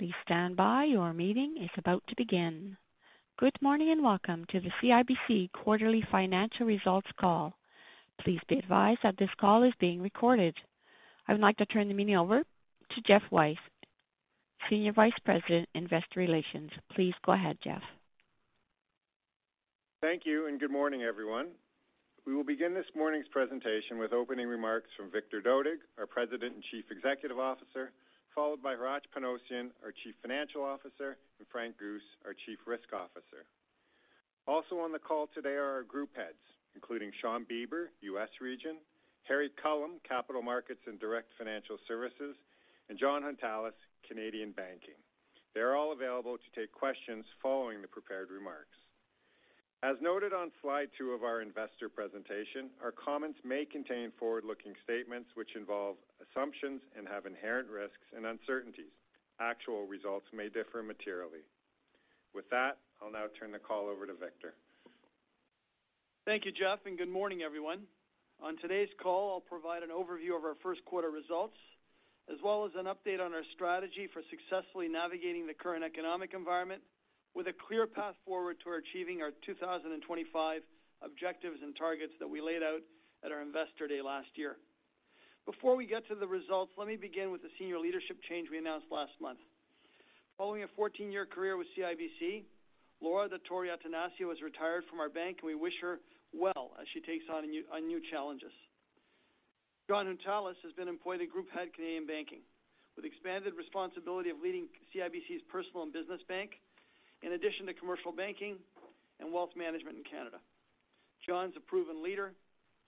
Please stand by. Your meeting is about to begin. Good morning and welcome to the CIBC quarterly financial results call. Please be advised that this call is being recorded. I would like to turn the meeting over to Geoff Weiss, Senior Vice President, Investor Relations. Please go ahead, Geoff. Thank you and good morning, everyone. We will begin this morning's presentation with opening remarks from Victor Dodig, our President and Chief Executive Officer, followed by Hratch Panossian, our Chief Financial Officer, and Frank Guse, our Chief Risk Officer. Also on the call today are our group heads, including Shawn Beber, U.S. Region, Harry Culham, Capital Markets and Direct Financial Services, and Jon Hountalas, Canadian Banking. They're all available to take questions following the prepared remarks. As noted on slide two of our investor presentation, our comments may contain forward-looking statements, which involve assumptions and have inherent risks and uncertainties. Actual results may differ materially. With that, I'll now turn the call over to Victor. Thank you, Geoff. Good morning, everyone. On today's call, I'll provide an overview of our first quarter results, as well as an update on our strategy for successfully navigating the current economic environment with a clear path forward to achieving our 2025 objectives and targets that we laid out at our Investor Day last year. Before we get to the results, let me begin with the senior leadership change we announced last month. Following a 14-year career with CIBC, Laura Dottori-Attanasio has retired from our bank, and we wish her well as she takes on new challenges. Jon Hountalas has been employed at Group Head, Canadian Banking, with expanded responsibility of leading CIBC's Personal and Business Bank, in addition to commercial banking and wealth management in Canada. Jon's a proven leader.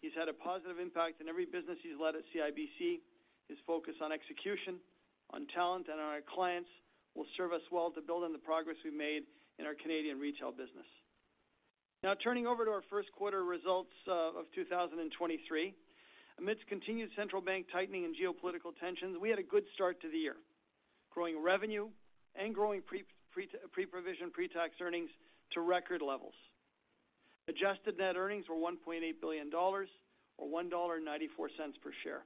He's had a positive impact in every business he's led at CIBC. His focus on execution, on talent, and on our clients will serve us well to build on the progress we've made in our Canadian retail business. Turning over to our first quarter results of 2023. Amidst continued central bank tightening and geopolitical tensions, we had a good start to the year, growing revenue and growing pre-provision, pre-tax earnings to record levels. Adjusted net earnings were 1.8 billion dollars or 1.94 dollar per share.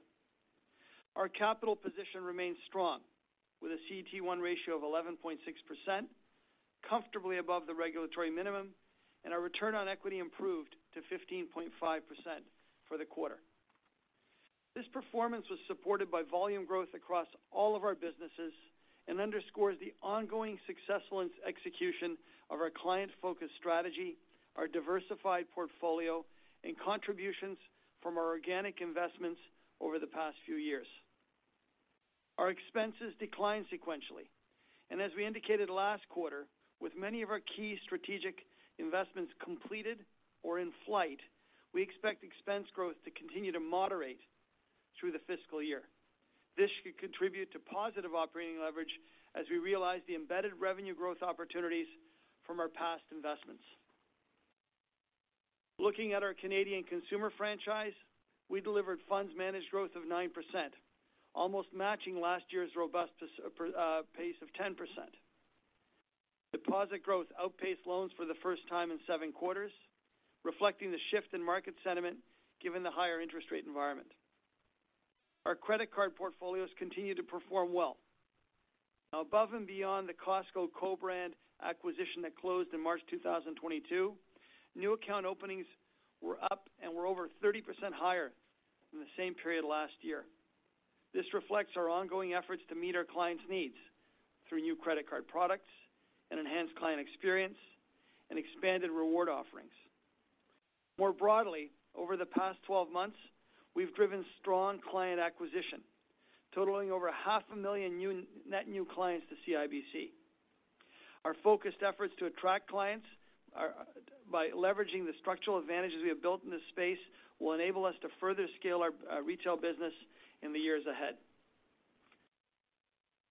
Our capital position remains strong, with a CET1 ratio of 11.6%, comfortably above the regulatory minimum, and our return on equity improved to 15.5% for the quarter. This performance was supported by volume growth across all of our businesses and underscores the ongoing successful execution of our client-focused strategy, our diversified portfolio, and contributions from our organic investments over the past few years. Our expenses declined sequentially. As we indicated last quarter, with many of our key strategic investments completed or in flight, we expect expense growth to continue to moderate through the fiscal year. This should contribute to positive operating leverage as we realize the embedded revenue growth opportunities from our past investments. Looking at our Canadian consumer franchise, we delivered funds managed growth of 9%, almost matching last year's robust pace of 10%. Deposit growth outpaced loans for the first time in seven quarters, reflecting the shift in market sentiment given the higher interest rate environment. Our credit card portfolios continue to perform well. Above and beyond the Costco co-brand acquisition that closed in March 2022, new account openings were up and were over 30% higher than the same period last year. This reflects our ongoing efforts to meet our clients' needs through new credit card products and enhanced client experience and expanded reward offerings. More broadly, over the past 12 months, we've driven strong client acquisition, totaling over half a million net new clients to CIBC. Our focused efforts to attract clients are, by leveraging the structural advantages we have built in this space, will enable us to further scale our retail business in the years ahead.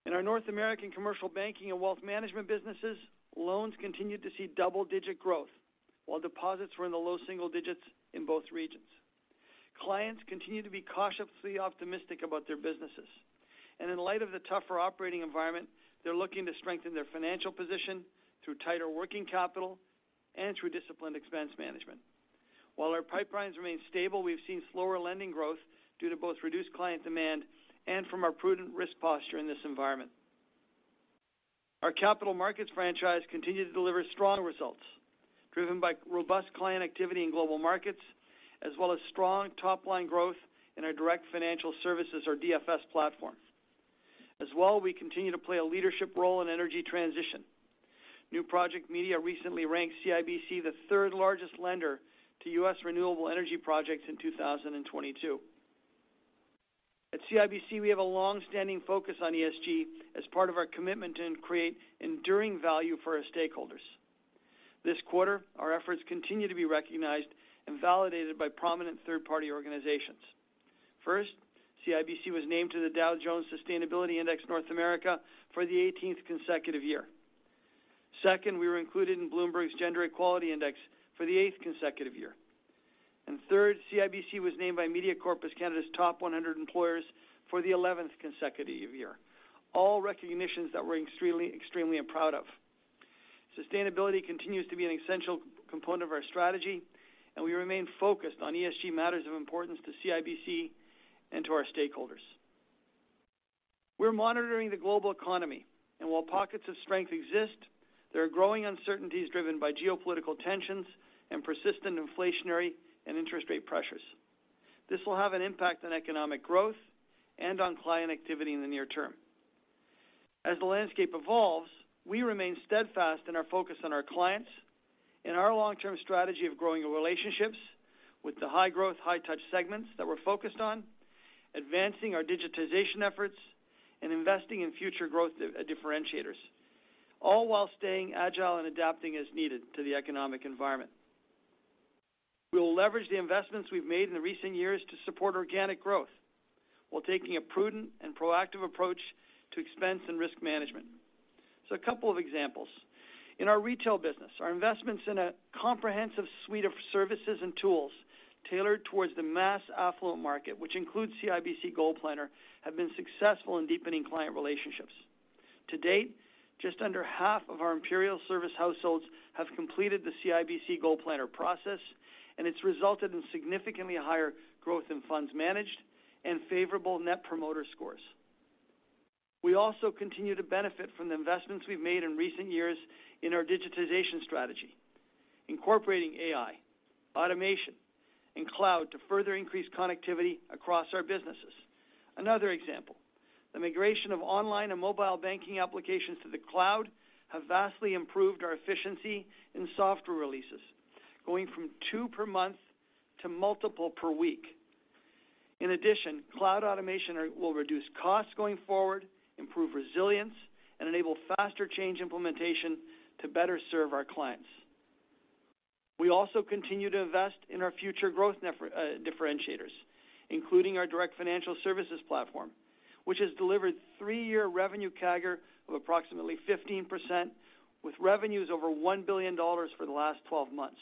In our North American commercial banking and wealth management businesses, loans continued to see double-digit growth, while deposits were in the low single digits in both regions. Clients continue to be cautiously optimistic about their businesses, and in light of the tougher operating environment, they're looking to strengthen their financial position through tighter working capital and through disciplined expense management. While our pipelines remain stable, we've seen slower lending growth due to both reduced client demand and from our prudent risk posture in this environment. Our capital markets franchise continued to deliver strong results, driven by robust client activity in global markets, as well as strong top-line growth in our direct financial services or DFS platform. We continue to play a leadership role in energy transition. IJGlobal recently ranked CIBC the third-largest lender to U.S. renewable energy projects in 2022. At CIBC, we have a long-standing focus on ESG as part of our commitment to create enduring value for our stakeholders. This quarter, our efforts continue to be recognized and validated by prominent third-party organizations. First, CIBC was named to the Dow Jones Sustainability North America Index for the 18th consecutive year. Second, we were included in Bloomberg Gender-Equality Index for the 8th consecutive year. Third, CIBC was named by Mediacorp Canada Inc. Canada's Top 100 Employers for the 11th consecutive year. All recognitions that we're extremely proud of. Sustainability continues to be an essential component of our strategy, and we remain focused on ESG matters of importance to CIBC and to our stakeholders. We're monitoring the global economy, and while pockets of strength exist, there are growing uncertainties driven by geopolitical tensions and persistent inflationary and interest rate pressures. This will have an impact on economic growth and on client activity in the near term. As the landscape evolves, we remain steadfast in our focus on our clients, in our long-term strategy of growing relationships with the high-growth, high-touch segments that we're focused on, advancing our digitization efforts, and investing in future growth differentiators, all while staying agile and adapting as needed to the economic environment. We will leverage the investments we've made in the recent years to support organic growth while taking a prudent and proactive approach to expense and risk management. A couple of examples. In our retail business, our investments in a comprehensive suite of services and tools tailored towards the mass affluent market, which includes CIBC GoalPlanner, have been successful in deepening client relationships. To date, just under half of our Imperial Service households have completed the CIBC GoalPlanner process, and it's resulted in significantly higher growth in funds managed and favorable Net Promoter Scores. We also continue to benefit from the investments we've made in recent years in our digitization strategy, incorporating AI, automation, and cloud to further increase connectivity across our businesses. Another example, the migration of online and mobile banking applications to the cloud have vastly improved our efficiency in software releases, going from two per month to multiple per week. In addition, cloud automation will reduce costs going forward, improve resilience, and enable faster change implementation to better serve our clients. We also continue to invest in our future growth differentiators, including our direct financial services platform, which has delivered three-year revenue CAGR of approximately 15%, with revenues over 1 billion dollars for the last 12 months.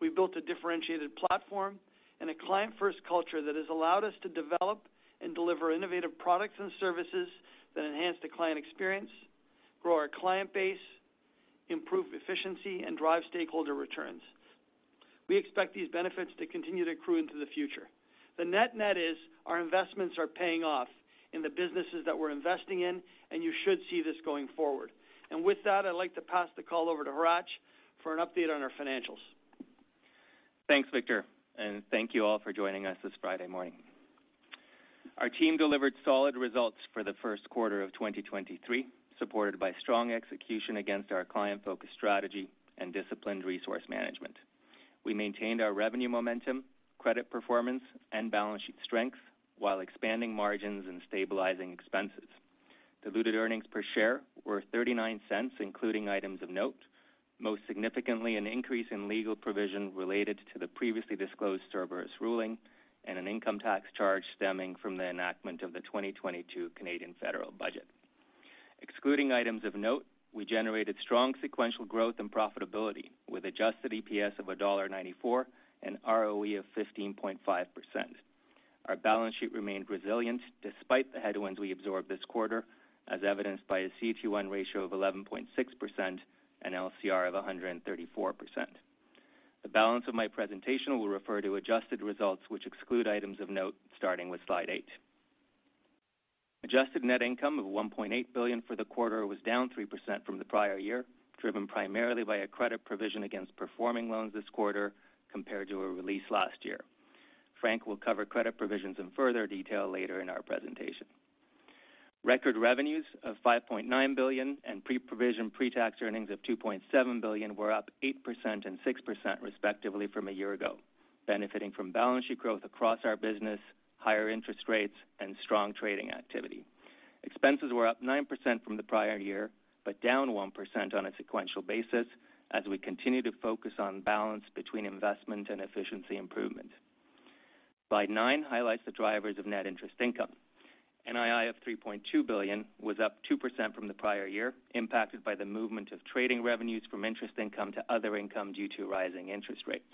We've built a differentiated platform and a client-first culture that has allowed us to develop and deliver innovative products and services that enhance the client experience, grow our client base, improve efficiency, and drive stakeholder returns. We expect these benefits to continue to accrue into the future. The net-net is our investments are paying off in the businesses that we're investing in, and you should see this going forward. With that, I'd like to pass the call over to Hratch for an update on our financials. Thanks, Victor, and thank you all for joining us this Friday morning. Our team delivered solid results for the first quarter of 2023, supported by strong execution against our client-focused strategy and disciplined resource management. We maintained our revenue momentum, credit performance, and balance sheet strength while expanding margins and stabilizing expenses. Diluted earnings per share were 0.39, including items of note, most significantly an increase in legal provision related to the previously disclosed Cerberus ruling and an income tax charge stemming from the enactment of the 2022 Canadian federal budget. Excluding items of note, we generated strong sequential growth and profitability with adjusted EPS of dollar 1.94 and ROE of 15.5%. Our balance sheet remained resilient despite the headwinds we absorbed this quarter, as evidenced by a CET1 ratio of 11.6% and LCR of 134%. The balance of my presentation will refer to adjusted results, which exclude items of note, starting with slide eight. Adjusted net income of 1.8 billion for the quarter was down 3% from the prior year, driven primarily by a credit provision against performing loans this quarter compared to a release last year. Frank will cover credit provisions in further detail later in our presentation. Record revenues of 5.9 billion and pre-provision, pre-tax earnings of 2.7 billion were up 8% and 6% respectively from a year ago, benefiting from balance sheet growth across our business, higher interest rates, and strong trading activity. Expenses were up 9% from the prior year, but down 1% on a sequential basis as we continue to focus on balance between investment and efficiency improvement. Slide nine highlights the drivers of net interest income. NII of 3.2 billion was up 2% from the prior year, impacted by the movement of trading revenues from interest income to other income due to rising interest rates.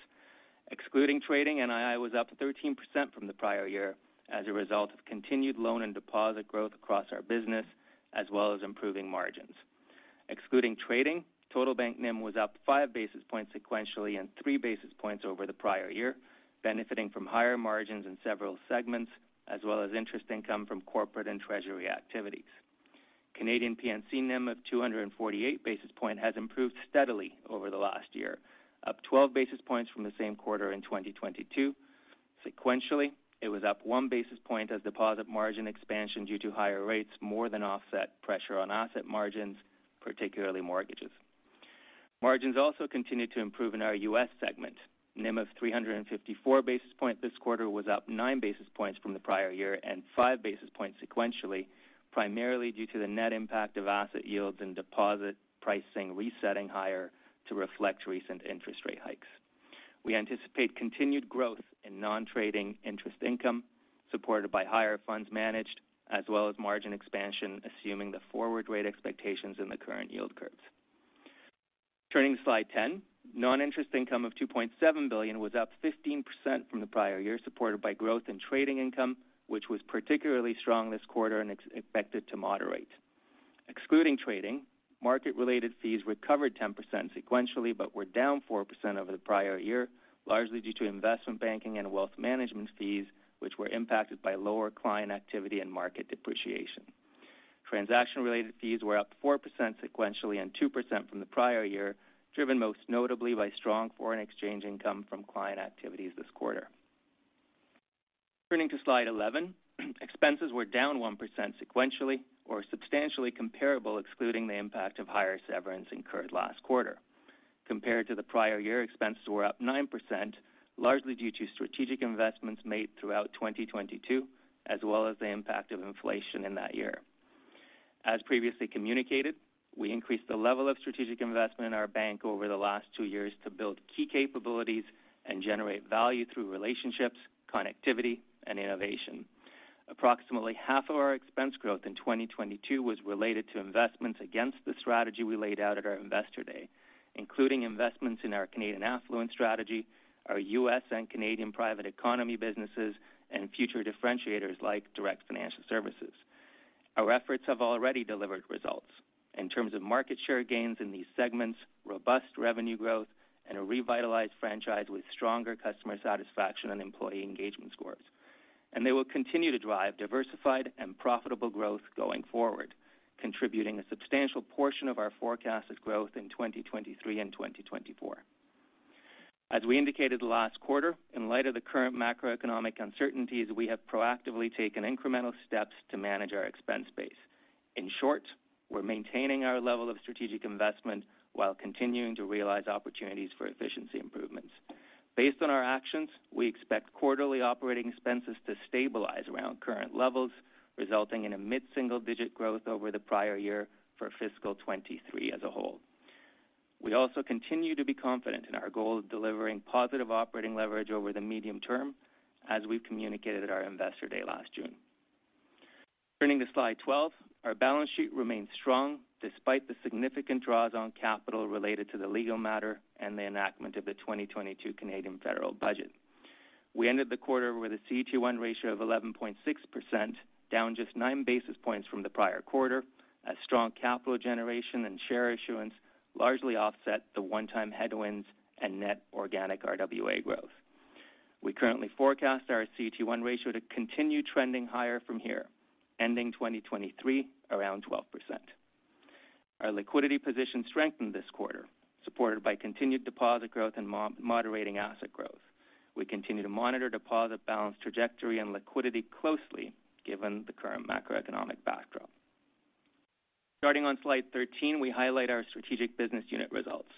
Excluding trading, NII was up 13% from the prior year as a result of continued loan and deposit growth across our business, as well as improving margins. Excluding trading, total bank NIM was up 5 basis points sequentially and 3 basis points over the prior year, benefiting from higher margins in several segments, as well as interest income from corporate and treasury activities. Canadian P&CB NIM of 248 basis points has improved steadily over the last year, up 12 basis points from the same quarter in 2022. Sequentially, it was up 1 basis point as deposit margin expansion due to higher rates more than offset pressure on asset margins, particularly mortgages. Margins also continued to improve in our U.S. Segment. NIM of 354 basis point this quarter was up nine basis points from the prior year and five basis points sequentially, primarily due to the net impact of asset yields and deposit pricing resetting higher to reflect recent interest rate hikes. We anticipate continued growth in non-trading interest income, supported by higher funds managed as well as margin expansion, assuming the forward rate expectations in the current yield curves. Turning to Slide 10. Non-interest income of 2.7 billion was up 15% from the prior year, supported by growth in trading income, which was particularly strong this quarter and expected to moderate. Excluding trading, market-related fees recovered 10% sequentially, but were down 4% over the prior year, largely due to investment banking and wealth management fees, which were impacted by lower client activity and market depreciation. Transaction-related fees were up 4% sequentially and 2% from the prior year, driven most notably by strong foreign exchange income from client activities this quarter. Turning to Slide 11, expenses were down 1% sequentially or substantially comparable, excluding the impact of higher severance incurred last quarter. Compared to the prior year, expenses were up 9%, largely due to strategic investments made throughout 2022, as well as the impact of inflation in that year. As previously communicated, we increased the level of strategic investment in our bank over the last two years to build key capabilities and generate value through relationships, connectivity, and innovation. Approximately half of our expense growth in 2022 was related to investments against the strategy we laid out at our Investor Day, including investments in our Canadian affluent strategy, our U.S. and Canadian private economy businesses, and future differentiators like direct financial services. Our efforts have already delivered results in terms of market share gains in these segments, robust revenue growth, and a revitalized franchise with stronger customer satisfaction and employee engagement scores. They will continue to drive diversified and profitable growth going forward, contributing a substantial portion of our forecasted growth in 2023 and 2024. As we indicated last quarter, in light of the current macroeconomic uncertainties, we have proactively taken incremental steps to manage our expense base. In short, we're maintaining our level of strategic investment while continuing to realize opportunities for efficiency improvements. Based on our actions, we expect quarterly operating expenses to stabilize around current levels, resulting in a mid-single-digit growth over the prior year for fiscal 2023 as a whole. We also continue to be confident in our goal of delivering positive operating leverage over the medium term, as we've communicated at our Investor Day last June. Turning to Slide 12, our balance sheet remains strong despite the significant draws on capital related to the legal matter and the enactment of the 2022 Canadian federal budget. We ended the quarter with a CET1 ratio of 11.6%, down just 9 basis points from the prior quarter, as strong capital generation and share issuance largely offset the one-time headwinds and net organic RWA growth. We currently forecast our CET1 ratio to continue trending higher from here, ending 2023 around 12%. Our liquidity position strengthened this quarter, supported by continued deposit growth and moderating asset growth. We continue to monitor deposit balance trajectory and liquidity closely given the current macroeconomic backdrop. Starting on Slide 13, we highlight our strategic business unit results.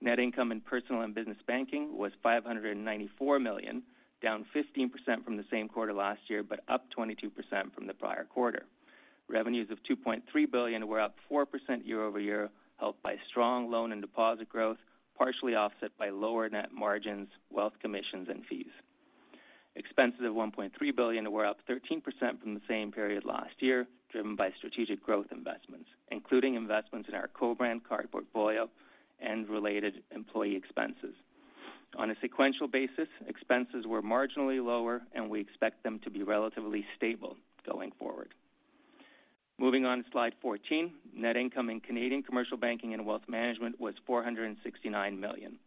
Net income in personal and business banking was 594 million, down 15% from the same quarter last year, but up 22% from the prior quarter. Revenues of 2.3 billion were up 4% year-over-year, helped by strong loan and deposit growth, partially offset by lower net margins, wealth commissions, and fees. Expenses of 1.3 billion were up 13% from the same period last year, driven by strategic growth investments, including investments in our co-brand card portfolio and related employee expenses. On a sequential basis, expenses were marginally lower, and we expect them to be relatively stable going forward. Moving on to Slide 14, net income in Canadian Commercial Banking and Wealth Management was $469 million.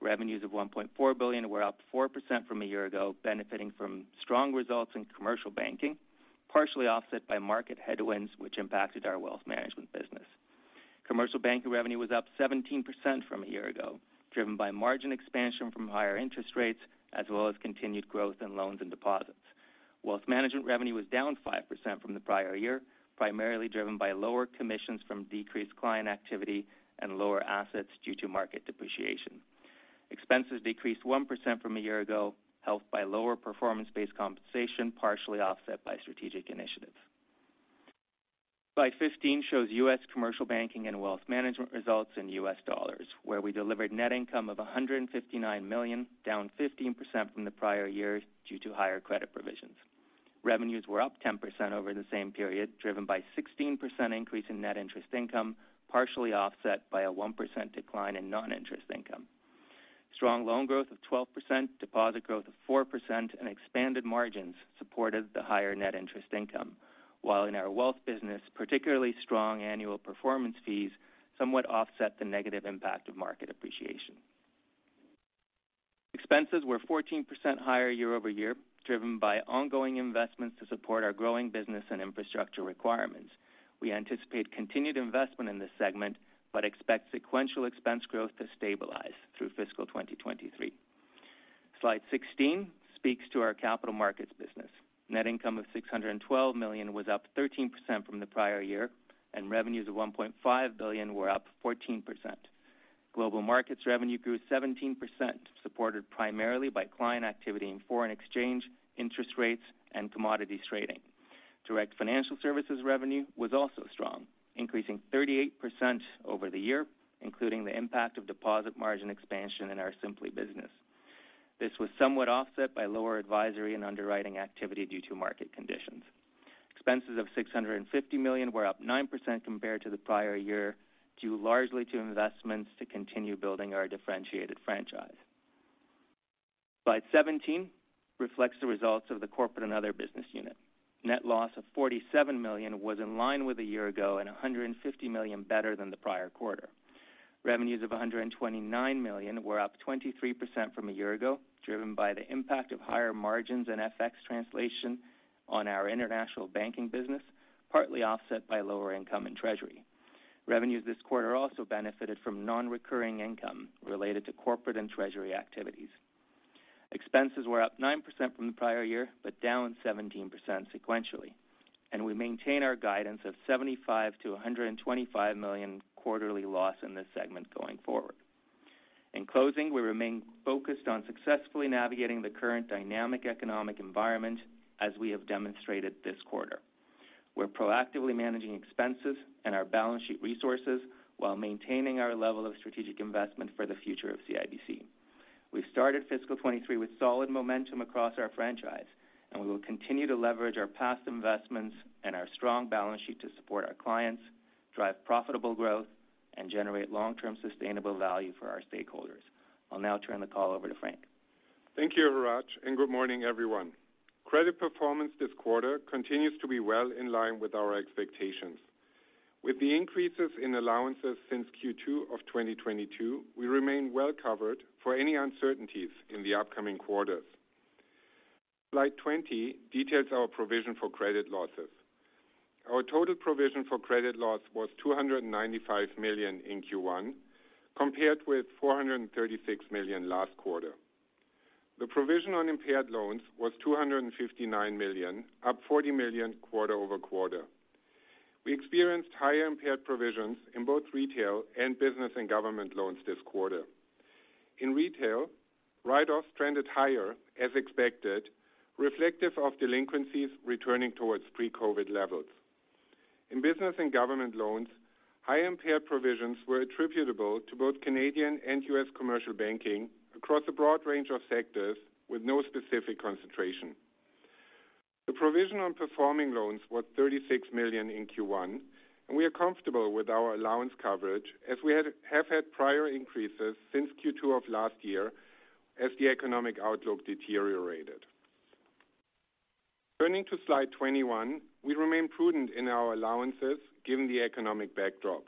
Revenues of $1.4 billion were up 4% from a year ago, benefiting from strong results in Commercial Banking, partially offset by market headwinds, which impacted our Wealth Management business. Commercial Banking revenue was up 17% from a year ago, driven by margin expansion from higher interest rates as well as continued growth in loans and deposits. Wealth Management revenue was down 5% from the prior year, primarily driven by lower commissions from decreased client activity and lower assets due to market depreciation. Expenses decreased 1% from a year ago, helped by lower performance-based compensation, partially offset by strategic initiatives. Slide 15 shows U.S. commercial banking and wealth management results in U.S. dollars, where we delivered net income of $159 million, down 15% from the prior year due to higher credit provisions. Revenues were up 10% over the same period, driven by 16% increase in net interest income, partially offset by a 1% decline in non-interest income. Strong loan growth of 12%, deposit growth of 4%, and expanded margins supported the higher net interest income, while in our wealth business, particularly strong annual performance fees somewhat offset the negative impact of market appreciation. Expenses were 14% higher year-over-year, driven by ongoing investments to support our growing business and infrastructure requirements. We anticipate continued investment in this segment, but expect sequential expense growth to stabilize through fiscal 2023. Slide 16 speaks to our capital markets business. Net income of 612 million was up 13% from the prior year, and revenues of 1.5 billion were up 14%. Global markets revenue grew 17%, supported primarily by client activity in foreign exchange, interest rates, and commodities trading. Direct financial services revenue was also strong, increasing 38% over the year, including the impact of deposit margin expansion in our Simplii business. This was somewhat offset by lower advisory and underwriting activity due to market conditions. Expenses of 650 million were up 9% compared to the prior year, due largely to investments to continue building our differentiated franchise. Slide 17 reflects the results of the corporate and other business unit. Net loss of CAD 47 million was in line with a year ago, and CAD 150 million better than the prior quarter. Revenues of CAD 129 million were up 23% from a year ago, driven by the impact of higher margins and FX translation on our international banking business, partly offset by lower income and treasury. Revenues this quarter also benefited from non-recurring income related to corporate and treasury activities. Expenses were up 9% from the prior year, down 17% sequentially, we maintain our guidance of 75 million-125 million quarterly loss in this segment going forward. In closing, we remain focused on successfully navigating the current dynamic economic environment as we have demonstrated this quarter. We're proactively managing expenses and our balance sheet resources while maintaining our level of strategic investment for the future of CIBC. We started fiscal 2023 with solid momentum across our franchise. We will continue to leverage our past investments and our strong balance sheet to support our clients, drive profitable growth, and generate long-term sustainable value for our stakeholders. I'll now turn the call over to Frank. Thank you, Hratch. Good morning, everyone. Credit performance this quarter continues to be well in line with our expectations. With the increases in allowances since Q2 of 2022, we remain well covered for any uncertainties in the upcoming quarters. Slide 20 details our provision for credit losses. Our total provision for credit loss was 295 million in Q1, compared with 436 million last quarter. The provision on impaired loans was 259 million, up 40 million quarter-over-quarter. We experienced higher impaired provisions in both retail and business and government loans this quarter. In retail, write-offs trended higher, as expected, reflective of delinquencies returning towards pre-COVID levels. In business and government loans, high impaired provisions were attributable to both Canadian and U.S. commercial banking across a broad range of sectors with no specific concentration. The provision on performing loans was $36 million in Q1, and we are comfortable with our allowance coverage as we have had prior increases since Q2 of last year as the economic outlook deteriorated. Turning to slide 21, we remain prudent in our allowances given the economic backdrop.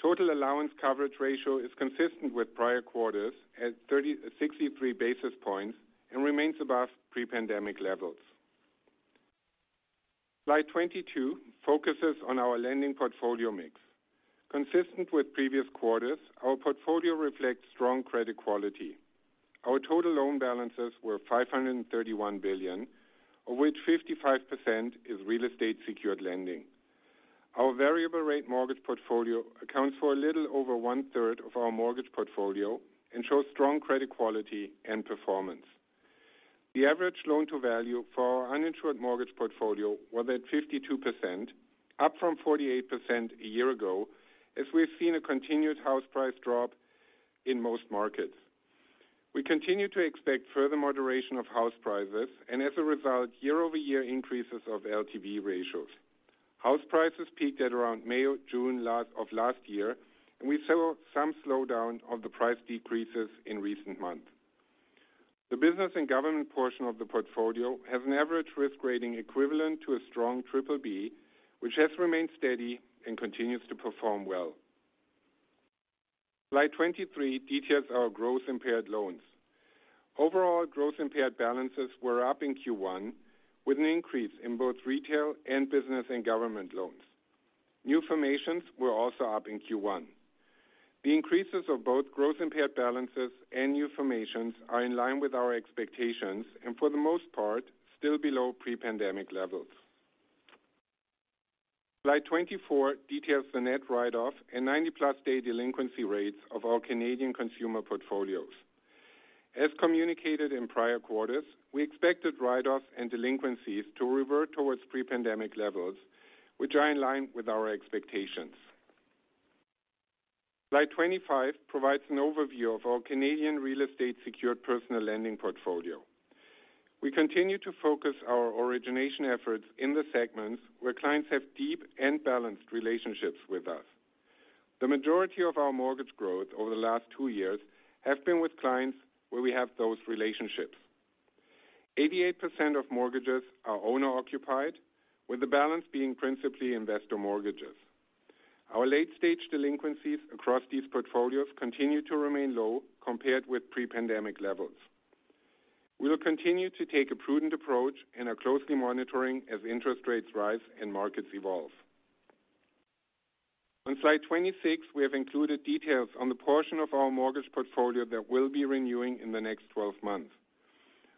Total allowance coverage ratio is consistent with prior quarters at 63 basis points and remains above pre-pandemic levels. Slide 22 focuses on our lending portfolio mix. Consistent with previous quarters, our portfolio reflects strong credit quality. Our total loan balances were $531 billion, of which 55% is real estate secured lending. Our variable rate mortgage portfolio accounts for a little over one-third of our mortgage portfolio and shows strong credit quality and performance. The average loan to value for our uninsured mortgage portfolio was at 52%, up from 48% a year ago, as we've seen a continued house price drop in most markets. We continue to expect further moderation of house prices, and as a result, year-over-year increases of LTV ratios. House prices peaked at around May or June of last year, and we saw some slowdown of the price decreases in recent months. The business and government portion of the portfolio has an average risk rating equivalent to a strong BBB, which has remained steady and continues to perform well. Slide 23 details our gross impaired loans. Overall gross impaired balances were up in Q1 with an increase in both retail and business and government loans. New formations were also up in Q1. The increases of both gross impaired balances and new formations are in line with our expectations, and for the most part, still below pre-pandemic levels. Slide 24 details the net write-off and 90+ day delinquency rates of our Canadian consumer portfolios. As communicated in prior quarters, we expected write-offs and delinquencies to revert towards pre-pandemic levels, which are in line with our expectations. Slide 25 provides an overview of our Canadian real estate secured personal lending portfolio. We continue to focus our origination efforts in the segments where clients have deep and balanced relationships with us. The majority of our mortgage growth over the last two years have been with clients where we have those relationships. 88% of mortgages are owner-occupied, with the balance being principally investor mortgages. Our late-stage delinquencies across these portfolios continue to remain low compared with pre-pandemic levels. We will continue to take a prudent approach and are closely monitoring as interest rates rise and markets evolve. On Slide 26, we have included details on the portion of our mortgage portfolio that will be renewing in the next 12 months.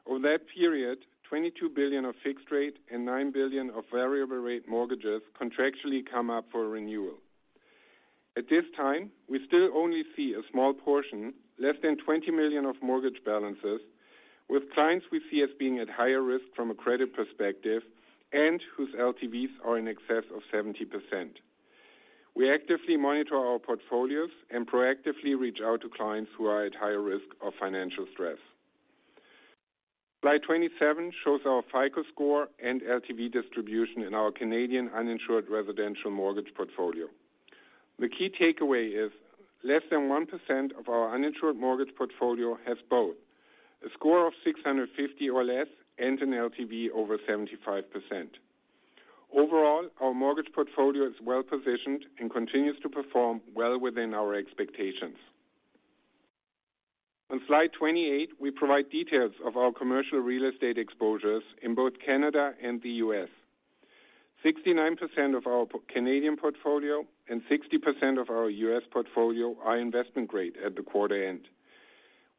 Over that period, 22 billion of fixed rate and 9 billion of variable rate mortgages contractually come up for renewal. At this time, we still only see a small portion, less than 20 million of mortgage balances, with clients we see as being at higher risk from a credit perspective and whose LTVs are in excess of 70%. We actively monitor our portfolios and proactively reach out to clients who are at higher risk of financial stress. Slide 27 shows our FICO score and LTV distribution in our Canadian uninsured residential mortgage portfolio. The key takeaway is less than 1% of our uninsured mortgage portfolio has both a score of 650 or less and an LTV over 75%. Overall, our mortgage portfolio is well positioned and continues to perform well within our expectations. On Slide 28, we provide details of our commercial real estate exposures in both Canada and the U.S. 69% of our Canadian portfolio and 60% of our U.S. portfolio are investment grade at the quarter end.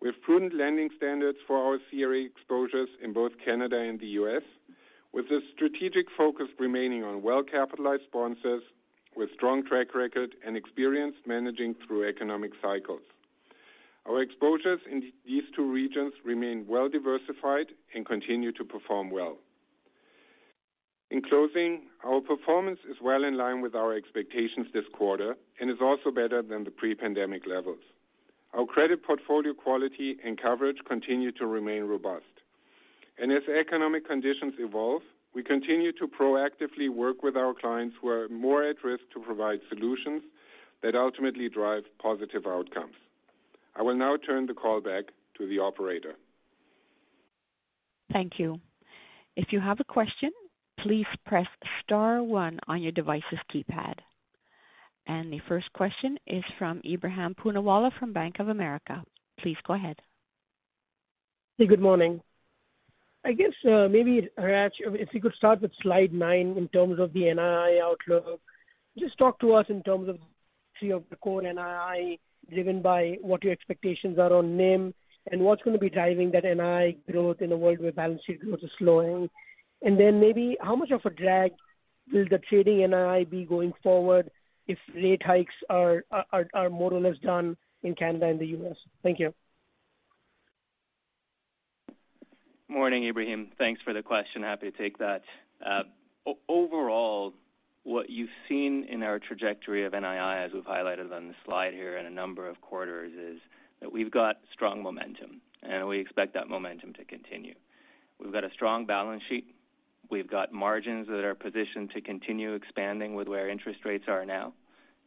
We have prudent lending standards for our CRE exposures in both Canada and the U.S., with a strategic focus remaining on well-capitalized sponsors with strong track record and experience managing through economic cycles. Our exposures in these two regions remain well diversified and continue to perform well. In closing, our performance is well in line with our expectations this quarter and is also better than the pre-pandemic levels. Our credit portfolio quality and coverage continue to remain robust. As economic conditions evolve, we continue to proactively work with our clients who are more at risk to provide solutions that ultimately drive positive outcomes. I will now turn the call back to the operator. Thank you. If you have a question, please press star one on your device's keypad. The first question is from Ebrahim Poonawala from Bank of America. Please go ahead. Hey, good morning. I guess, maybe, Hratch, if you could start with slide nine in terms of the NII outlook. Just talk to us in terms of three of the core NII driven by what your expectations are on NIM and what's gonna be driving that NII growth in a world where balance sheet growth is slowing. Then maybe how much of a drag will the trading NII be going forward if rate hikes are more or less done in Canada and the U.S.? Thank you. Morning, Ebrahim. Thanks for the question. Happy to take that. Overall, what you've seen in our trajectory of NII, as we've highlighted on the slide here in a number of quarters, is that we've got strong momentum, and we expect that momentum to continue. We've got a strong balance sheet. We've got margins that are positioned to continue expanding with where interest rates are now.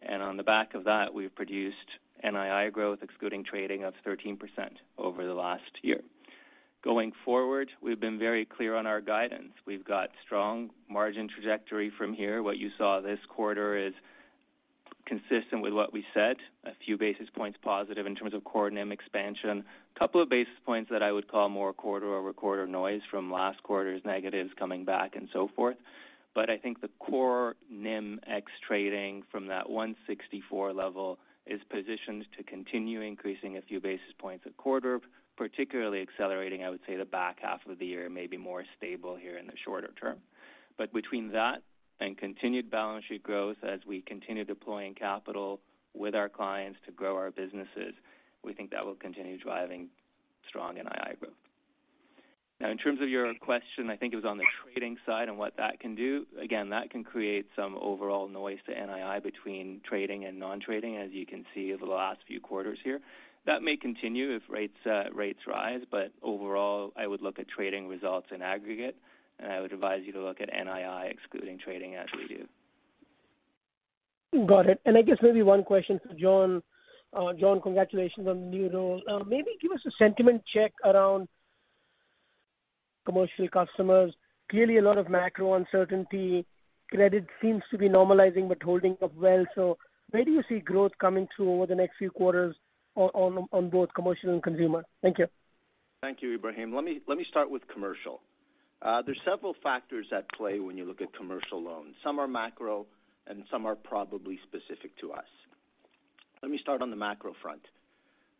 And on the back of that, we've produced NII growth excluding trading of 13% over the last year. Going forward, we've been very clear on our guidance. We've got strong margin trajectory from here. What you saw this quarter is consistent with what we said, a few basis points positive in terms of core NIM expansion. Couple of basis points that I would call more quarter-over-quarter noise from last quarter's negatives coming back and so forth. I think the core NIM ex trading from that 164 level is positioned to continue increasing a few basis points a quarter, particularly accelerating, I would say, the back half of the year may be more stable here in the shorter term. Between that and continued balance sheet growth as we continue deploying capital with our clients to grow our businesses, we think that will continue driving strong NII growth. In terms of your question, I think it was on the trading side and what that can do. Again, that can create some overall noise to NII between trading and non-trading, as you can see over the last few quarters here. That may continue if rates rise, but overall, I would look at trading results in aggregate, and I would advise you to look at NII excluding trading as we do. Got it. I guess maybe one question for Jon. Jon, congratulations on the new role. Maybe give us a sentiment check around commercial customers. Clearly a lot of macro uncertainty. Credit seems to be normalizing but holding up well. Where do you see growth coming through over the next few quarters on both commercial and consumer? Thank you. Thank you, Ebrahim. Let me start with commercial. There's several factors at play when you look at commercial loans. Some are macro and some are probably specific to us. Let me start on the macro front.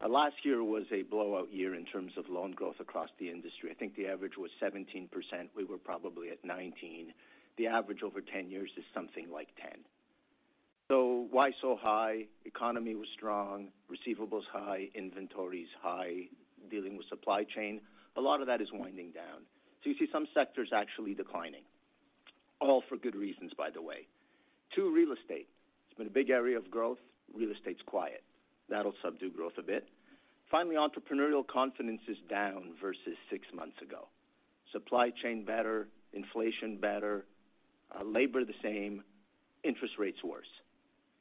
Last year was a blowout year in terms of loan growth across the industry. I think the average was 17%. We were probably at 19%. The average over 10 years is something like 10%. So why so high? Economy was strong, receivables high, inventories high, dealing with supply chain. A lot of that is winding down. You see some sectors actually declining, all for good reasons, by the way. Two, real estate. It's been a big area of growth. Real estate's quiet. That'll subdue growth a bit. Finally, entrepreneurial confidence is down versus six months ago. Supply chain better, inflation better, labor the same, interest rates worse.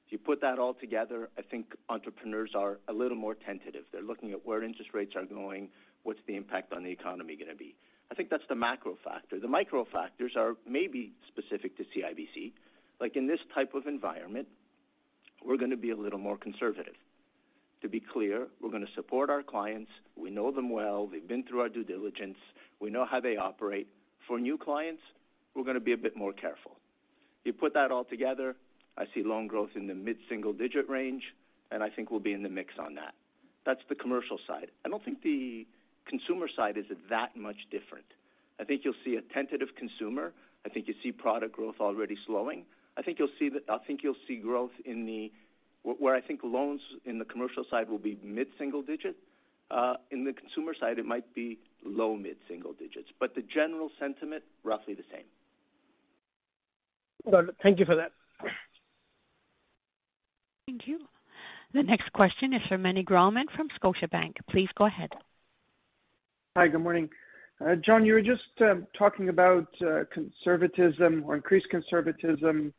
If you put that all together, I think entrepreneurs are a little more tentative. They're looking at where interest rates are going, what's the impact on the economy gonna be. I think that's the macro factor. The micro factors are maybe specific to CIBC. Like in this type of environment, we're gonna be a little more conservative. To be clear, we're gonna support our clients. We know them well. They've been through our due diligence. We know how they operate. For new clients, we're gonna be a bit more careful. You put that all together, I see loan growth in the mid-single digit range, and I think we'll be in the mix on that. That's the commercial side. I don't think the consumer side is that much different. I think you'll see a tentative consumer. I think you see product growth already slowing. Where I think loans in the commercial side will be mid-single digit. In the consumer side, it might be low mid-single digits, but the general sentiment roughly the same. Got it. Thank you for that. Thank you. The next question is from Meny Grauman from Scotiabank. Please go ahead. Hi, good morning. Jon, you were just talking about conservatism or increased conservatism,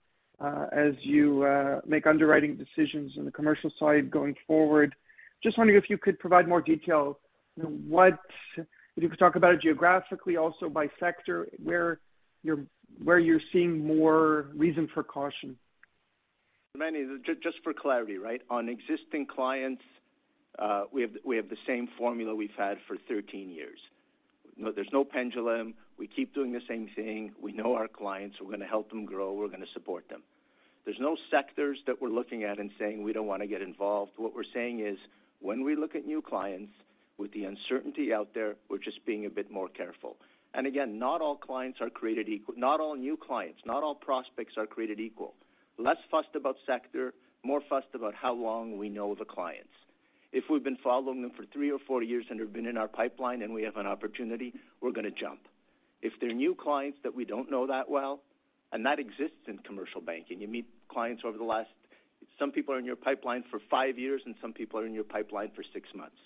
as you make underwriting decisions on the commercial side going forward. Just wondering if you could provide more detail. If you could talk about it geographically, also by sector, where you're seeing more reason for caution. Manny, just for clarity, right? On existing clients, we have, we have the same formula we've had for 13 years. There's no pendulum. We keep doing the same thing. We know our clients. We're gonna help them grow. We're gonna support them. There's no sectors that we're looking at and saying we don't wanna get involved. What we're saying is, when we look at new clients with the uncertainty out there, we're just being a bit more careful. Again, not all clients are created equal. Not all new clients, not all prospects are created equal. Less fussed about sector, more fussed about how long we know the clients. If we've been following them for three or four years, and they've been in our pipeline and we have an opportunity, we're gonna jump. If they're new clients that we don't know that well, and that exists in commercial banking, you meet clients over the last. Some people are in your pipeline for five years, and some people are in your pipeline for six months.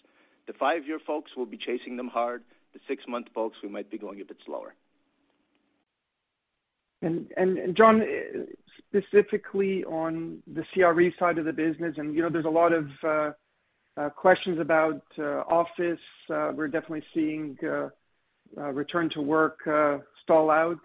The five-year folks, we'll be chasing them hard. The six-month folks, we might be going a bit slower. Jon, specifically on the CRE side of the business, and you know there's a lot of questions about office. We're definitely seeing return to work stall out.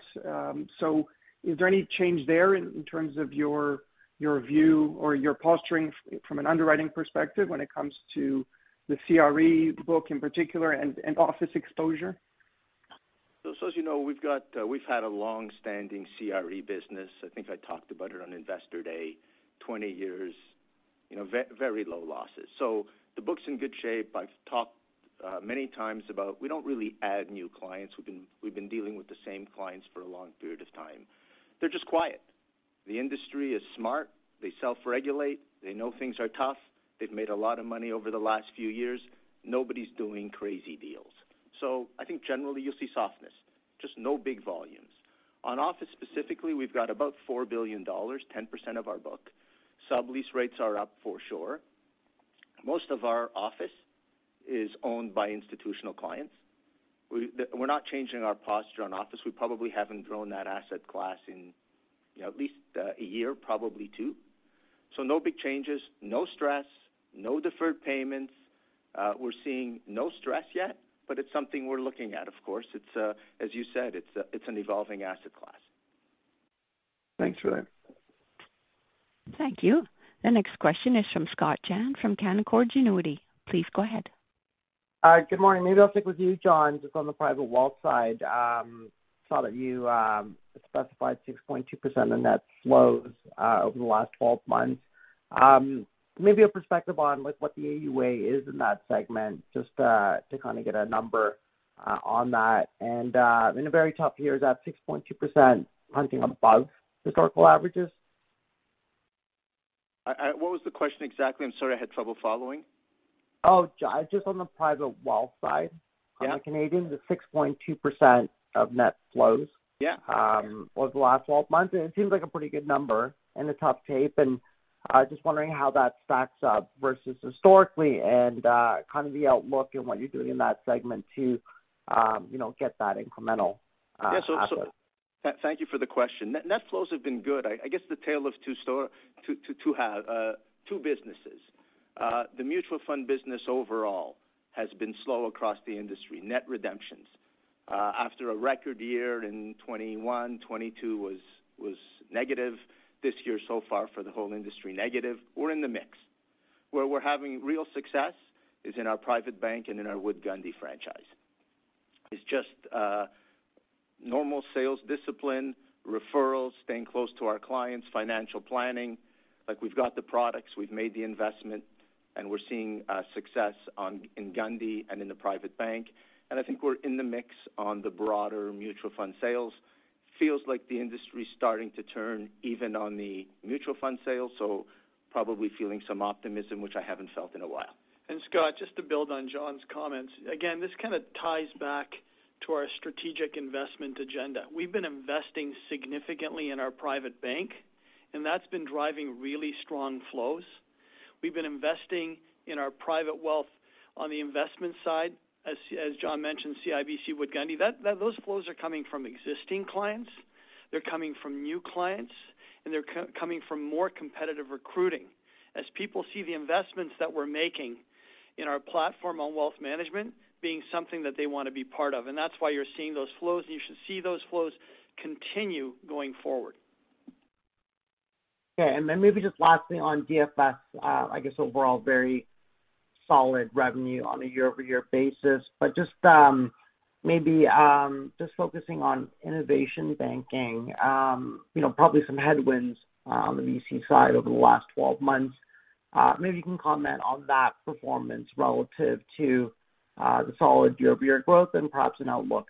Is there any change there in terms of your view or your posturing from an underwriting perspective when it comes to the CRE book in particular and office exposure? As you know, we've had a long-standing CRE business. I think I talked about it on Investor Day, 20 years, you know, very low losses. The book's in good shape. I've talked many times about we don't really add new clients. We've been dealing with the same clients for a long period of time. They're just quiet. The industry is smart. They self-regulate. They know things are tough. They've made a lot of money over the last few years. Nobody's doing crazy deals. I think generally you'll see softness, just no big volumes. On office specifically, we've got about 4 billion dollars, 10% of our book. Sublease rates are up for sure. Most of our office is owned by institutional clients. We're not changing our posture on office. We probably haven't grown that asset class in, you know, at least one year, probably two. No big changes, no stress, no deferred payments. We're seeing no stress yet, but it's something we're looking at, of course. It's, as you said, it's an evolving asset class. Thanks for that. Thank you. The next question is from Scott Chan from Canaccord Genuity. Please go ahead. Good morning. Maybe I'll stick with you, Jon, just on the private wealth side. Saw that you specified 6.2% in net flows over the last 12 months. Maybe a perspective on like what the AUA is in that segment, just to kind of get a number on that. In the very top here, is that 6.2% hunting above historical averages? What was the question exactly? I'm sorry, I had trouble following. Oh, just on the private wealth side. Yeah. on the Canadian, the 6.2% of net flows Yeah. over the last 12 months. It seems like a pretty good number in the tough tape. Just wondering how that stacks up versus historically and kind of the outlook and what you're doing in that segment to, you know, get that incremental asset. Thank you for the question. Net flows have been good. I guess the tale of two businesses. The mutual fund business overall has been slow across the industry. Net redemptions, after a record year in 2021, 2022 was negative. This year so far for the whole industry, negative. We're in the mix. Where we're having real success is in our private bank and in our Wood Gundy franchise. It's just normal sales discipline, referrals, staying close to our clients, financial planning. Like, we've got the products, we've made the investment, and we're seeing success in Wood Gundy franchise and in the private bank. I think we're in the mix on the broader mutual fund sales. Feels like the industry's starting to turn even on the mutual fund sales, probably feeling some optimism, which I haven't felt in a while. Scott Chan, just to build on Jon Hountalas' comments, again, this kind of ties back to our strategic investment agenda. We've been investing significantly in our private bank, that's been driving really strong flows. We've been investing in our private wealth on the investment side, as Jon Hountalas mentioned, CIBC Wood Gundy franc. Those flows are coming from existing clients, they're coming from new clients, and they're co-coming from more competitive recruiting as people see the investments that we're making in our platform on wealth management being something that they want to be part of. That's why you're seeing those flows, and you should see those flows continue going forward. Okay. Maybe just lastly on DFS, I guess overall very solid revenue on a year-over-year basis. Just maybe just focusing on innovation banking, you know, probably some headwinds on the VC side over the last 12 months. Maybe you can comment on that performance relative to the solid year-over-year growth and perhaps an outlook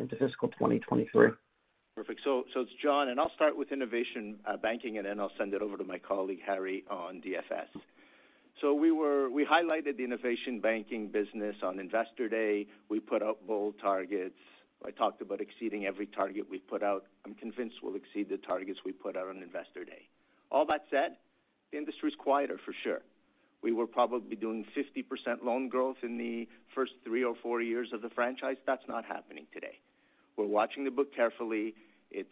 into fiscal 2023? Perfect. It's Jon, and I'll start with innovation banking, and then I'll send it over to my colleague, Harry, on DFS. We highlighted the innovation banking business on Investor Day. We put out bold targets. I talked about exceeding every target we put out. I'm convinced we'll exceed the targets we put out on Investor Day. All that said, the industry is quieter for sure. We were probably doing 50% loan growth in the first three or four years of the franchise. That's not happening today. We're watching the book carefully. It's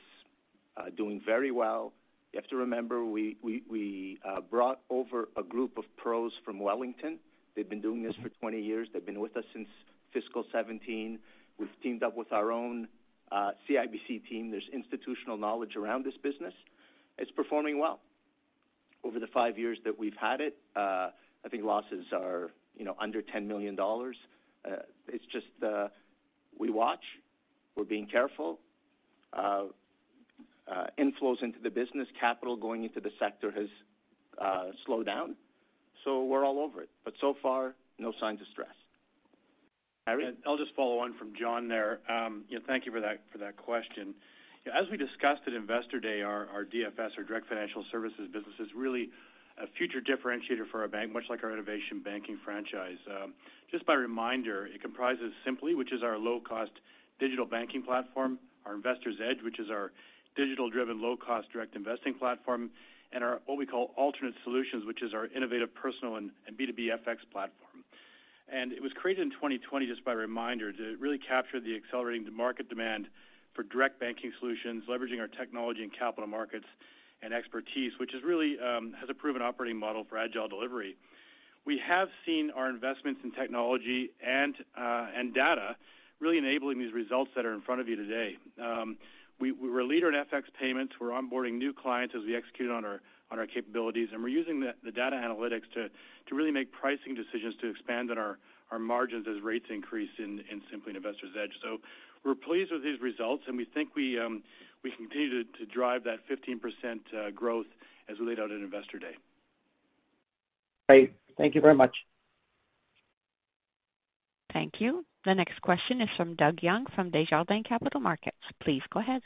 doing very well. You have to remember, we brought over a group of pros from Wellington-Altus. They've been doing this for 20 years. They've been with us since fiscal 2017. We've teamed up with our own CIBC team. There's institutional knowledge around this business. It's performing well. Over the five years that we've had it, I think losses are, you know, under $10 million. It's just, we watch, we're being careful. Inflows into the business, capital going into the sector has slowed down, we're all over it. So far, no signs of stress. Harry? I'll just follow on from Jon there. You know, thank you for that, for that question. As we discussed at Investor Day, our DFS, our direct financial services business is really a future differentiator for our bank, much like our innovation banking franchise. Just by reminder, it comprises Simplii, which is our low-cost digital banking platform, our Investor's Edge, which is our digital-driven low-cost direct investing platform, and our, what we call Alternate Solutions, which is our innovative personal and B2B FX platform. It was created in 2020, just by reminder, to really capture the accelerating market demand for direct banking solutions, leveraging our technology and capital markets and expertise, which is really has a proven operating model for agile delivery. We have seen our investments in technology and data really enabling these results that are in front of you today. We're a leader in FX payments. We're onboarding new clients as we execute on our capabilities, and we're using the data analytics to really make pricing decisions to expand on our margins as rates increase in Simplii and Investor's Edge. We're pleased with these results, and we think we continue to drive that 15% growth as we laid out at Investor Day. Great. Thank you very much. Thank you. The next question is from Doug Young from Desjardins Capital Markets. Please go ahead.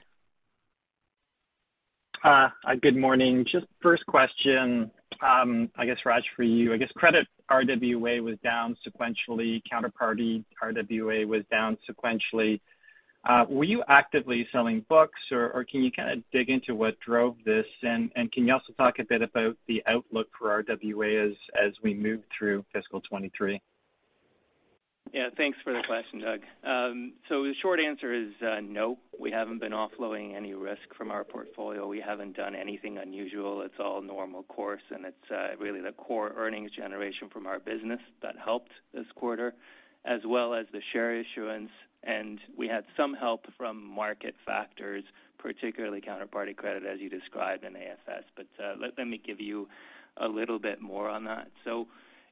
Good morning. Just first question, I guess, Hratch, for you. I guess credit RWA was down sequentially, counterparty RWA was down sequentially. Were you actively selling books, or can you kind of dig into what drove this? Can you also talk a bit about the outlook for RWA as we move through fiscal 2023? Yeah, thanks for the question, Doug. The short answer is, no, we haven't been offloading any risk from our portfolio. We haven't done anything unusual. It's all normal course, and it's really the core earnings generation from our business that helped this quarter, as well as the share issuance. We had some help from market factors, particularly counterparty credit, as you described in AFS. Let me give you a little bit more on that.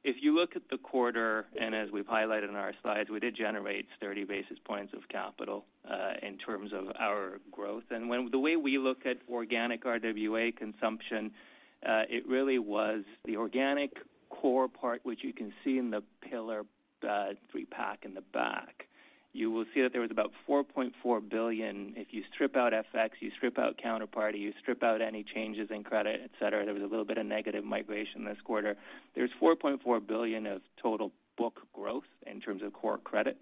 If you look at the quarter, and as we've highlighted in our slides, we did generate 30 basis points of capital in terms of our growth. The way we look at organic RWA consumption, it really was the organic core part, which you can see in the pillar, three-pack in the back. You will see that there was about 4.4 billion. If you strip out FX, you strip out counterparty, you strip out any changes in credit, et cetera, there was a little bit of negative migration this quarter. There's 4.4 billion of total book growth in terms of core credit.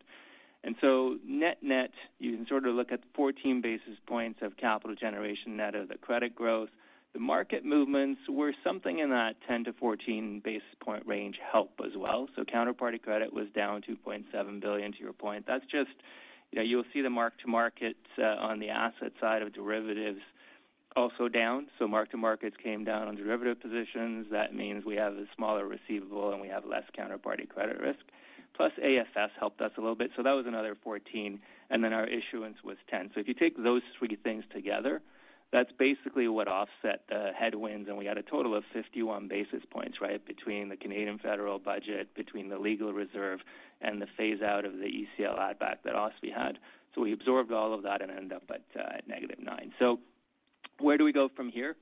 Net-net, you can sort of look at 14 basis points of capital generation net of the credit growth. The market movements were something in that 10 basis point-14 basis point range help as well. Counterparty credit was down 2.7 billion to your point. That's just, you know, you'll see the mark-to-markets on the asset side of derivatives also down. Mark-to-markets came down on derivative positions. That means we have a smaller receivable, and we have less counterparty credit risk. AFS helped us a little bit, so that was another 14 basis point, and then our issuance was 10 basis point. If you take those three things together, that's basically what offset the headwinds, and we had a total of 51 basis points, right, between the Canadian federal budget, between the legal reserve, and the phase out of the ECL add back that OSFI had. We absorbed all of that and ended up at -9 basis points. Where do we go from here?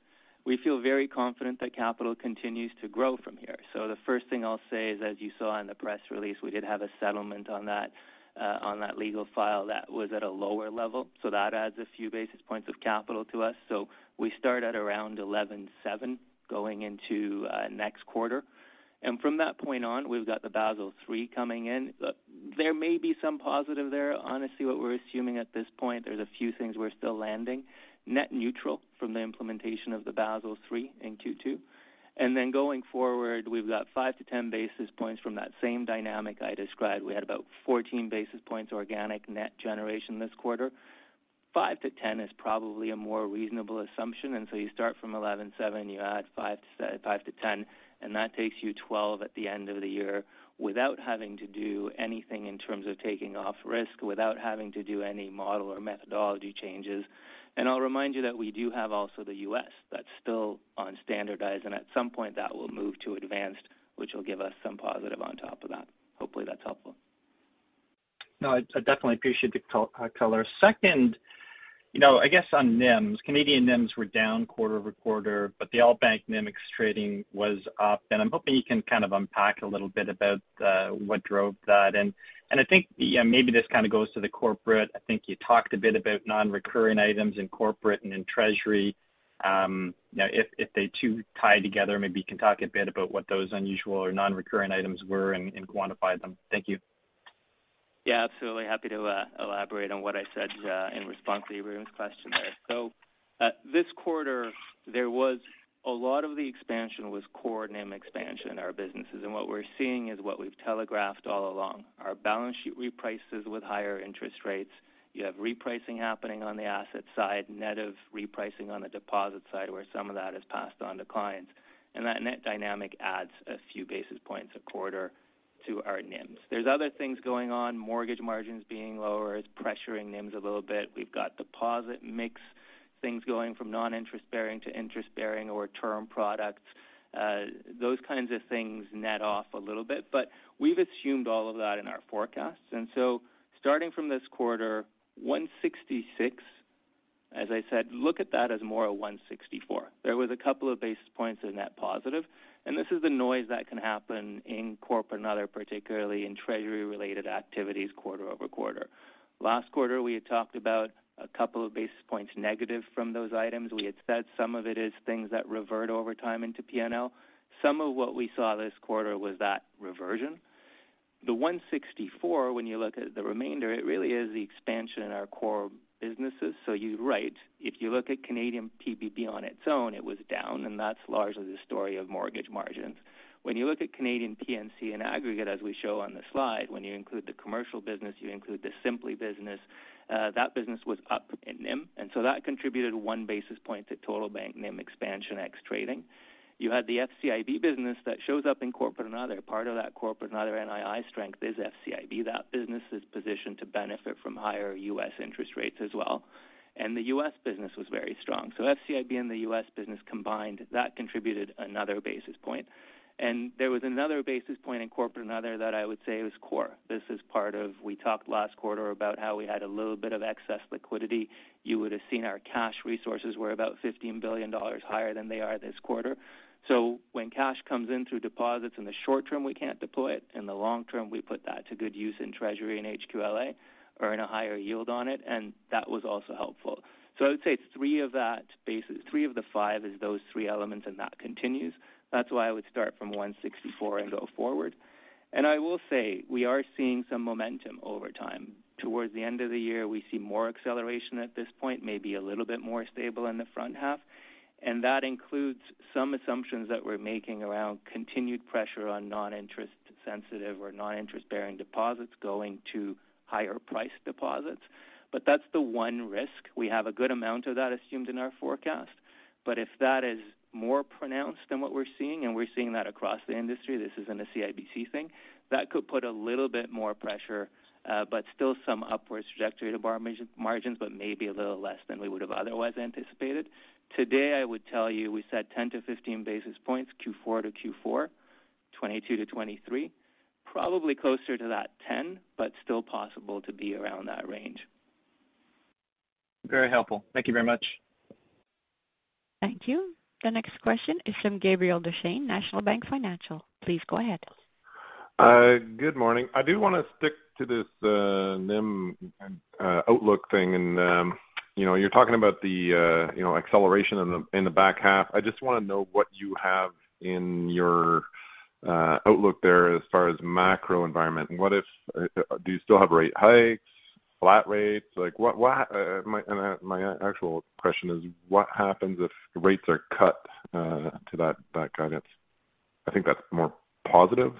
We feel very confident that capital continues to grow from here. The first thing I'll say is, as you saw in the press release, we did have a settlement on that legal file that was at a lower level. That adds a few basis points of capital to us. We start at around 11.7% going into next quarter. From that point on, we've got the Basel III coming in. There may be some positive there. Honestly, what we're assuming at this point, there's a few things we're still landing net neutral from the implementation of the Basel III in Q2. Then going forward, we've got 5 basis points-10 basis points from that same dynamic I described. We had about 14 basis points organic net generation this quarter. 5 basis points-10 basis points is probably a more reasonable assumption. So you start from 11.7 basis points, you add 5 basis points-10 basis points, and that takes you 12 basis points at the end of the year without having to do anything in terms of taking off risk, without having to do any model or methodology changes. I'll remind you that we do have also the U.S. that's still on standardized, and at some point that will move to advanced, which will give us some positive on top of that. Hopefully, that's helpful. No, I definitely appreciate the color. Second, you know, I guess on NIMs, Canadian NIMs were down quarter-over-quarter, but the all bank NIM mix trading was up, and I'm hoping you can kind of unpack a little bit about what drove that. I think, yeah, maybe this kind of goes to the corporate. I think you talked a bit about non-recurring items in corporate and in treasury. Now if they too tie together, maybe you can talk a bit about what those unusual or non-recurrent items were and quantify them. Thank you. Absolutely happy to elaborate on what I said in response to everyone's question there. This quarter, there was a lot of the expansion was core NIM expansion in our businesses. What we're seeing is what we've telegraphed all along. Our balance sheet reprices with higher interest rates. You have repricing happening on the asset side, net of repricing on the deposit side, where some of that is passed on to clients. That net dynamic adds a few basis points a quarter to our NIMs. There's other things going on, mortgage margins being lower is pressuring NIMs a little bit. We've got deposit mix, things going from non-interest bearing to interest bearing or term products. Those kinds of things net off a little bit, but we've assumed all of that in our forecast. Starting from this quarter, 166 basis points, as I said, look at that as more a 164 basis points. There was a couple of basis points in net positive, and this is the noise that can happen in corporate and other, particularly in treasury-related activities quarter-over-quarter. Last quarter, we had talked about a couple of basis points negative from those items. We had said some of it is things that revert over time into P&L. Some of what we saw this quarter was that reversion. The 164 basis points, when you look at the remainder, it really is the expansion in our core businesses. You're right. If you look at Canadian PPB on its own, it was down, and that's largely the story of mortgage margins. When you look at Canadian P&CB in aggregate, as we show on the slide, when you include the commercial business, you include the Simplii business, that business was up in NIM. That contributed 1 basis point to total bank NIM expansion ex trading. You had the FCIB business that shows up in corporate and other. Part of that corporate and other NII strength is FCIB. That business is positioned to benefit from higher U.S. interest rates as well. The U.S. business was very strong. FCIB and the U.S. business combined, that contributed another basis point. There was another basis point in corporate and other that I would say was core. This is part of, we talked last quarter about how we had a little bit of excess liquidity. You would have seen our cash resources were about 15 billion dollars higher than they are this quarter. When cash comes in through deposits in the short term, we can't deploy it. In the long term, we put that to good use in treasury and HQLA, earn a higher yield on it, and that was also helpful. I would say three of the five is those three elements, and that continues. That's why I would start from 164 basis points and go forward. I will say we are seeing some momentum over time. Towards the end of the year, we see more acceleration at this point, maybe a little bit more stable in the front half. That includes some assumptions that we're making around continued pressure on non-interest sensitive or non-interest-bearing deposits going to higher priced deposits. That's the one risk. We have a good amount of that assumed in our forecast. If that is more pronounced than what we're seeing, and we're seeing that across the industry, this isn't a CIBC thing, that could put a little bit more pressure, but still some upward trajectory to borrow margins, but maybe a little less than we would have otherwise anticipated. Today, I would tell you, we said 10 basis points-15 basis points Q4 to Q4, 2022-2023, probably closer to that 10 basis points, but still possible to be around that range. Very helpful. Thank you very much. Thank you. The next question is from Gabriel Dechaine, National Bank Financial. Please go ahead. Good morning. I do wanna stick to this NIM outlook thing. You know, you're talking about the, you know, acceleration in the, in the back half. I just wanna know what you have in your outlook there as far as macro environment. Do you still have rate hikes, flat rates? Like what, my actual question is what happens if rates are cut to that guidance? I think that's more positive.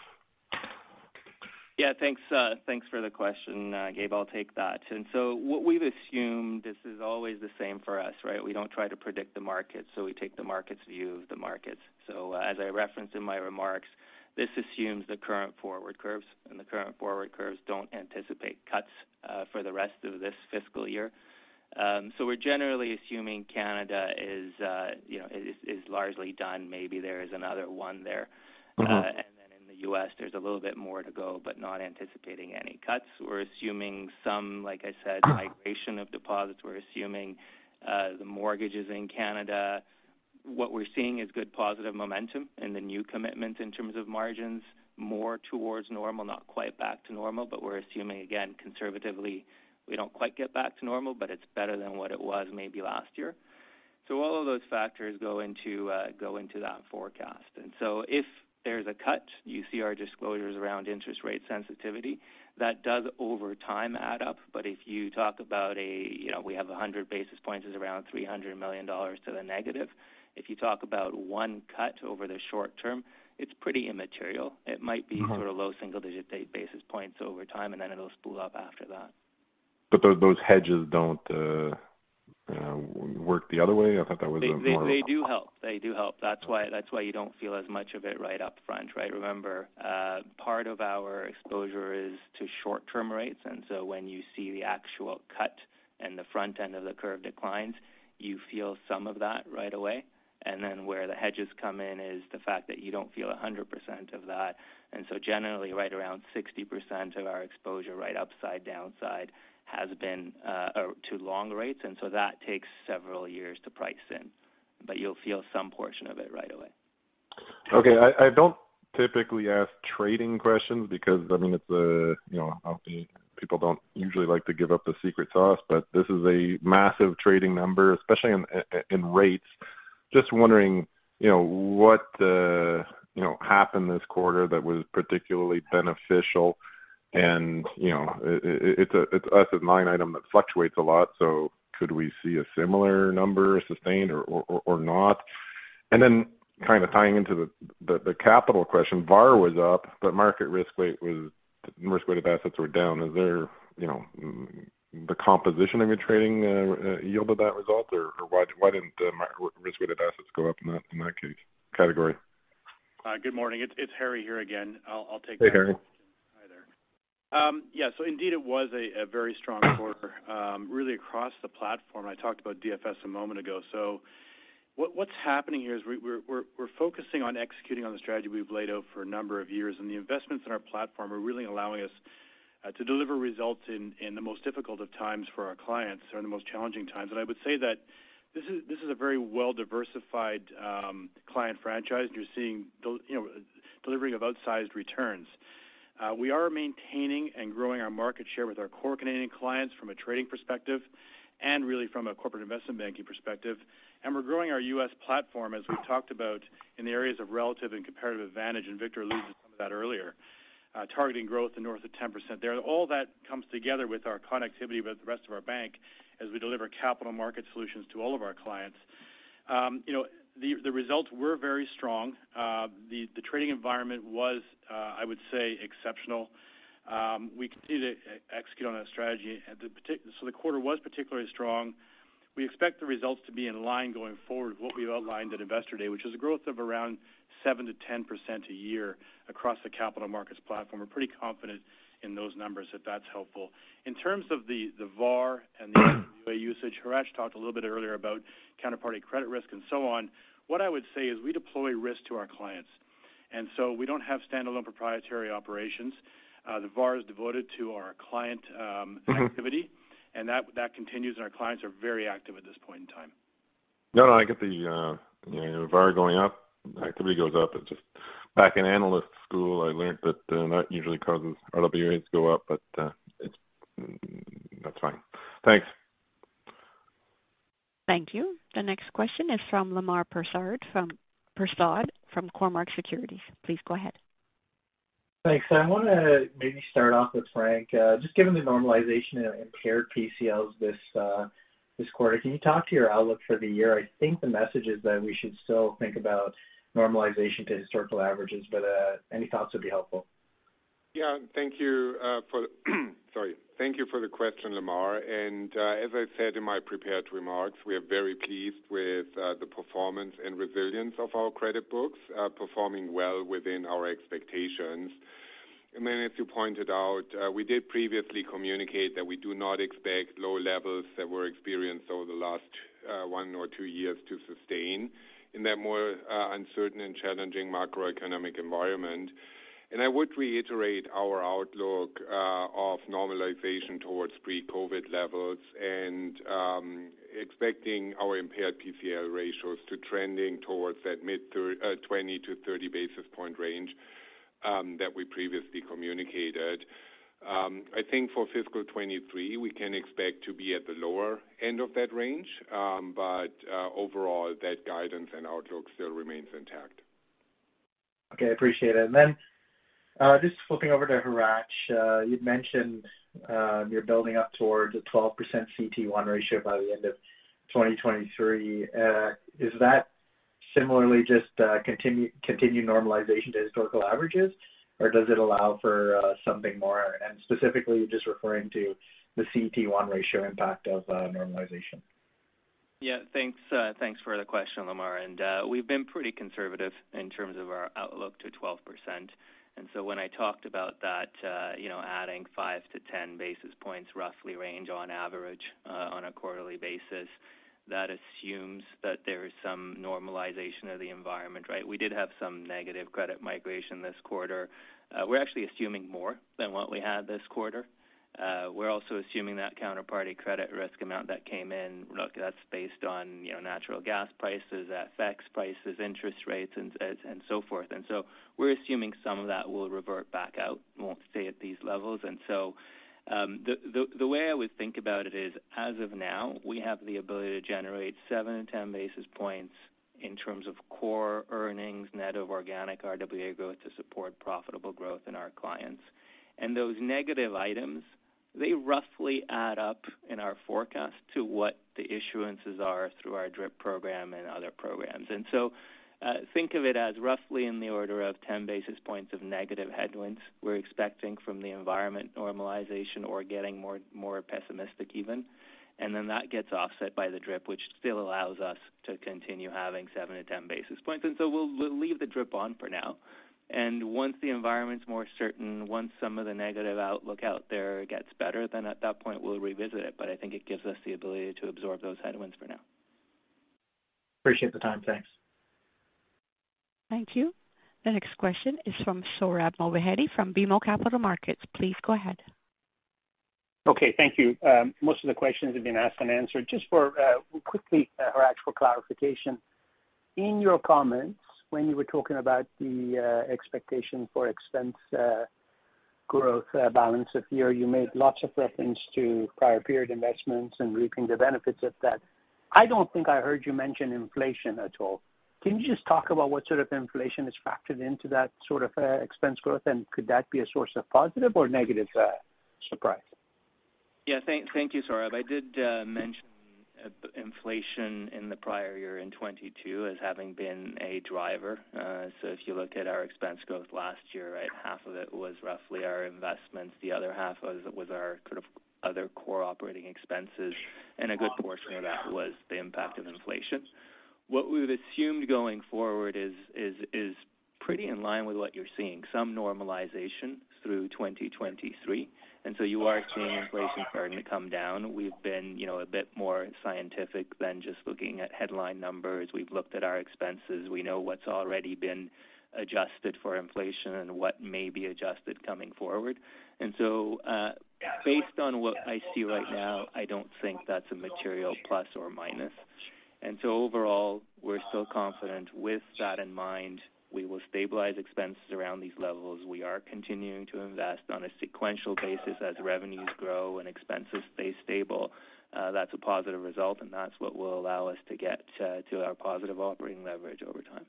Thanks, thanks for the question, Gabe. I'll take that. What we've assumed, this is always the same for us, right? We don't try to predict the market, we take the market's view of the markets. As I referenced in my remarks, this assumes the current forward curves, the current forward curves don't anticipate cuts for the rest of this fiscal year. We're generally assuming Canada is, you know, is largely done. Maybe there is another one there. Mm-hmm. Then in the US, there's a little bit more to go, but not anticipating any cuts. We're assuming some, like I said, migration of deposits. We're assuming the mortgages in Canada. What we're seeing is good positive momentum in the new commitments in terms of margins, more towards normal, not quite back to normal, but we're assuming, again, conservatively, we don't quite get back to normal, but it's better than what it was maybe last year. All of those factors go into that forecast. If there's a cut, you see our disclosures around interest rate sensitivity, that does over time add up. If you talk about a, you know, we have 100 basis points is around 300 million dollars to the negative. If you talk about one cut over the short term, it's pretty immaterial. It might be sort of low single-digit basis points over time, and then it'll spool up after that. Those hedges don't work the other way? I thought that was a more. They do help. They do help. That's why you don't feel as much of it right up front, right? Remember, part of our exposure is to short-term rates. When you see the actual cut and the front end of the curve declines, you feel some of that right away. Where the hedges come in is the fact that you don't feel 100% of that. Generally, right around 60% of our exposure, right, upside, downside, has been to long rates. That takes several years to price in, but you'll feel some portion of it right away. Okay. I don't typically ask trading questions because, I mean, it's the, you know, obviously people don't usually like to give up the secret sauce, but this is a massive trading number, especially in rates. Just wondering, you know, what, you know, happened this quarter that was particularly beneficial and, you know, it, it's a, it's us as a line item that fluctuates a lot, so could we see a similar number sustained or not? Kind of tying into the capital question, VAR was up, but risk-weighted assets were down. Is there, you know, the composition of your trading yield of that result, or why didn't the risk-weighted assets go up in that case category? Good morning. It's Harry here again. I'll take that question. Hey, Harry. Hi there. Indeed it was a very strong quarter, really across the platform. I talked about DFS a moment ago. What's happening here is we're focusing on executing on the strategy we've laid out for a number of years, and the investments in our platform are really allowing us to deliver results in the most difficult of times for our clients or in the most challenging times. I would say that this is a very well-diversified client franchise, and you're seeing you know, delivering of outsized returns. We are maintaining and growing our market share with our core Canadian clients from a trading perspective and really from a corporate investment banking perspective. We're growing our U.S. platform as we talked about in the areas of relative and comparative advantage, and Victor alluded to some of that earlier, targeting growth in north of 10% there. All that comes together with our connectivity with the rest of our bank as we deliver capital market solutions to all of our clients. You know, the results were very strong. The trading environment was, I would say exceptional. We continue to execute on that strategy. The quarter was particularly strong. We expect the results to be in line going forward with what we've outlined at Investor Day, which is a growth of around 7%-10% a year across the capital markets platform. We're pretty confident in those numbers, if that's helpful. In terms of the VAR and the UA usage, Hratch talked a little bit earlier about counterparty credit risk and so on. We don't have standalone proprietary operations. The VAR is devoted to our client activity, and that continues, and our clients are very active at this point in time. No, no, I get the, you know, VAR going up, activity goes up. It's just back in analyst school, I learned that usually causes RWAs to go up, but, it's. That's fine. Thanks. Thank you. The next question is from Lemar Persaud from Cormark Securities. Please go ahead. Thanks. I wanna maybe start off with Frank. Just given the normalization in impaired PCLs this quarter, can you talk to your outlook for the year? I think the message is that we should still think about normalization to historical averages. Any thoughts would be helpful. Yeah. Thank you for the question, Lemar. As I said in my prepared remarks, we are very pleased with the performance and resilience of our credit books, performing well within our expectations. As you pointed out, we did previously communicate that we do not expect low levels that were experienced over the last one or two years to sustain in that more uncertain and challenging macroeconomic environment. I would reiterate our outlook of normalization towards pre-COVID levels and expecting our impaired PCL ratios to trending towards that 20-30 basis point range that we previously communicated. I think for fiscal 2023, we can expect to be at the lower end of that range. Overall, that guidance and outlook still remains intact. Okay. Appreciate it. Then, just flipping over to Hratch, you'd mentioned, you're building up towards a 12% CET1 ratio by the end of 2023. Is that similarly just continued normalization to historical averages, or does it allow for something more? Specifically just referring to the CET1 ratio impact of normalization. Yeah. Thanks, thanks for the question, Lemar. We've been pretty conservative in terms of our outlook to 12%. When I talked about that, you know, adding 5 basis points-10 basis points roughly range on average, on a quarterly basis, that assumes that there is some normalization of the environment, right? We did have some negative credit migration this quarter. We're actually assuming more than what we had this quarter. We're also assuming that counterparty credit risk amount that came in. Look, that's based on, you know, natural gas prices, FX prices, interest rates, and so forth. We're assuming some of that will revert back out, won't stay at these levels. The way I would think about it is, as of now, we have the ability to generate 7 basis points-10 basis points in terms of core earnings net of organic RWA growth to support profitable growth in our clients. Those negative items, they roughly add up in our forecast to what the issuances are through our DRIP program and other programs. Think of it as roughly in the order of 10 basis points of negative headwinds we're expecting from the environment normalization or getting more pessimistic even. That gets offset by the DRIP, which still allows us to continue having 7 basis points-10 basis points. We'll leave the DRIP on for now. Once the environment's more certain, once some of the negative outlook out there gets better, then at that point we'll revisit it, but I think it gives us the ability to absorb those headwinds for now. Appreciate the time. Thanks. Thank you. The next question is from Sohrab Movahedi from BMO Capital Markets. Please go ahead. Okay. Thank you. most of the questions have been asked and answered. Just for quickly or actual clarification. In your comments when you were talking about the expectation for expense growth balance of year, you made lots of reference to prior period investments and reaping the benefits of that. I don't think I heard you mention inflation at all. Can you just talk about what sort of inflation is factored into that sort of expense growth? Could that be a source of positive or negative surprise? Thank you, Sohrab. I did mention inflation in the prior year in 2022 as having been a driver. If you look at our expense growth last year, right, half of it was roughly our investments, the other half was our kind of other core operating expenses, and a good portion of that was the impact of inflation. What we've assumed going forward is pretty in line with what you're seeing, some normalization through 2023. You are seeing inflation starting to come down. We've been, you know, a bit more scientific than just looking at headline numbers. We've looked at our expenses. We know what's already been adjusted for inflation and what may be adjusted coming forward. Based on what I see right now, I don't think that's a material±. Overall, we're still confident with that in mind, we will stabilize expenses around these levels. We are continuing to invest on a sequential basis as revenues grow and expenses stay stable. That's a positive result, and that's what will allow us to get to our positive operating leverage over time.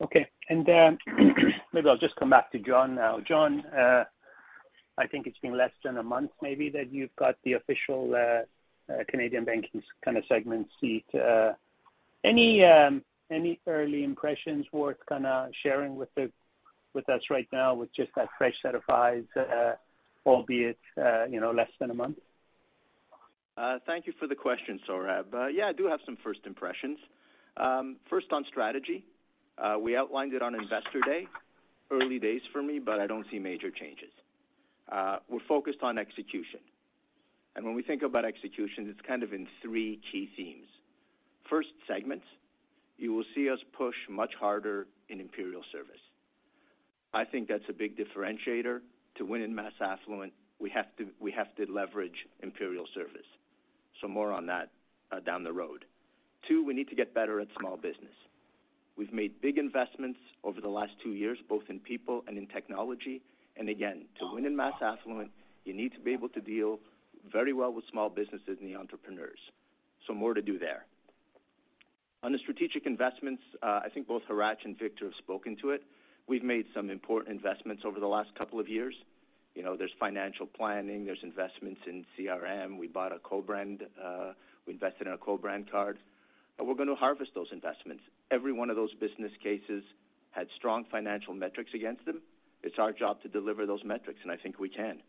Okay. Maybe I'll just come back to Jon now. Jon, I think it's been less than a month maybe that you've got the official, Canadian Banking kind of segment seat. Any, any early impressions worth kind of sharing with us right now with just that fresh set of eyes, albeit, you know, less than a month? Thank you for the question, Sohrab. Yeah, I do have some first impressions. First on strategy, we outlined it on Investor Day, early days for me, but I don't see major changes. We're focused on execution. When we think about execution, it's kind of in three key themes. First, segments. You will see us push much harder in Imperial Service. I think that's a big differentiator. To win in mass affluent, we have to leverage Imperial Service. More on that down the road. Two, we need to get better at small business. We've made big investments over the last two years, both in people and in technology. Again, to win in mass affluent, you need to be able to deal very well with small businesses and the entrepreneurs. More to do there. On the strategic investments, I think both Haraj and Victor have spoken to it. We've made some important investments over the last couple of years. You know, there's financial planning, there's investments in CRM. We bought a co-brand, we invested in a co-brand card, and we're gonna harvest those investments. Every one of those business cases had strong financial metrics against them. It's our job to deliver those metrics, and I think we can.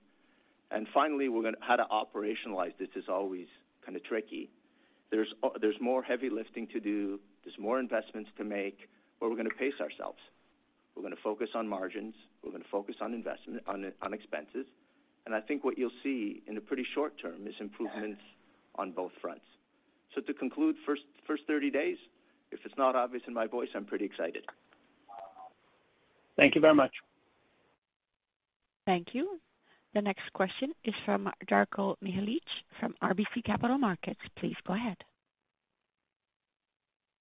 Finally, how to operationalize this is always kinda tricky. There's more heavy lifting to do. There's more investments to make, but we're gonna pace ourselves. We're gonna focus on margins. We're gonna focus on expenses. I think what you'll see in the pretty short term is improvements on both fronts. To conclude, first 30 days, if it's not obvious in my voice, I'm pretty excited. Thank you very much. Thank you. The next question is from Darko Mihelic from RBC Capital Markets. Please go ahead.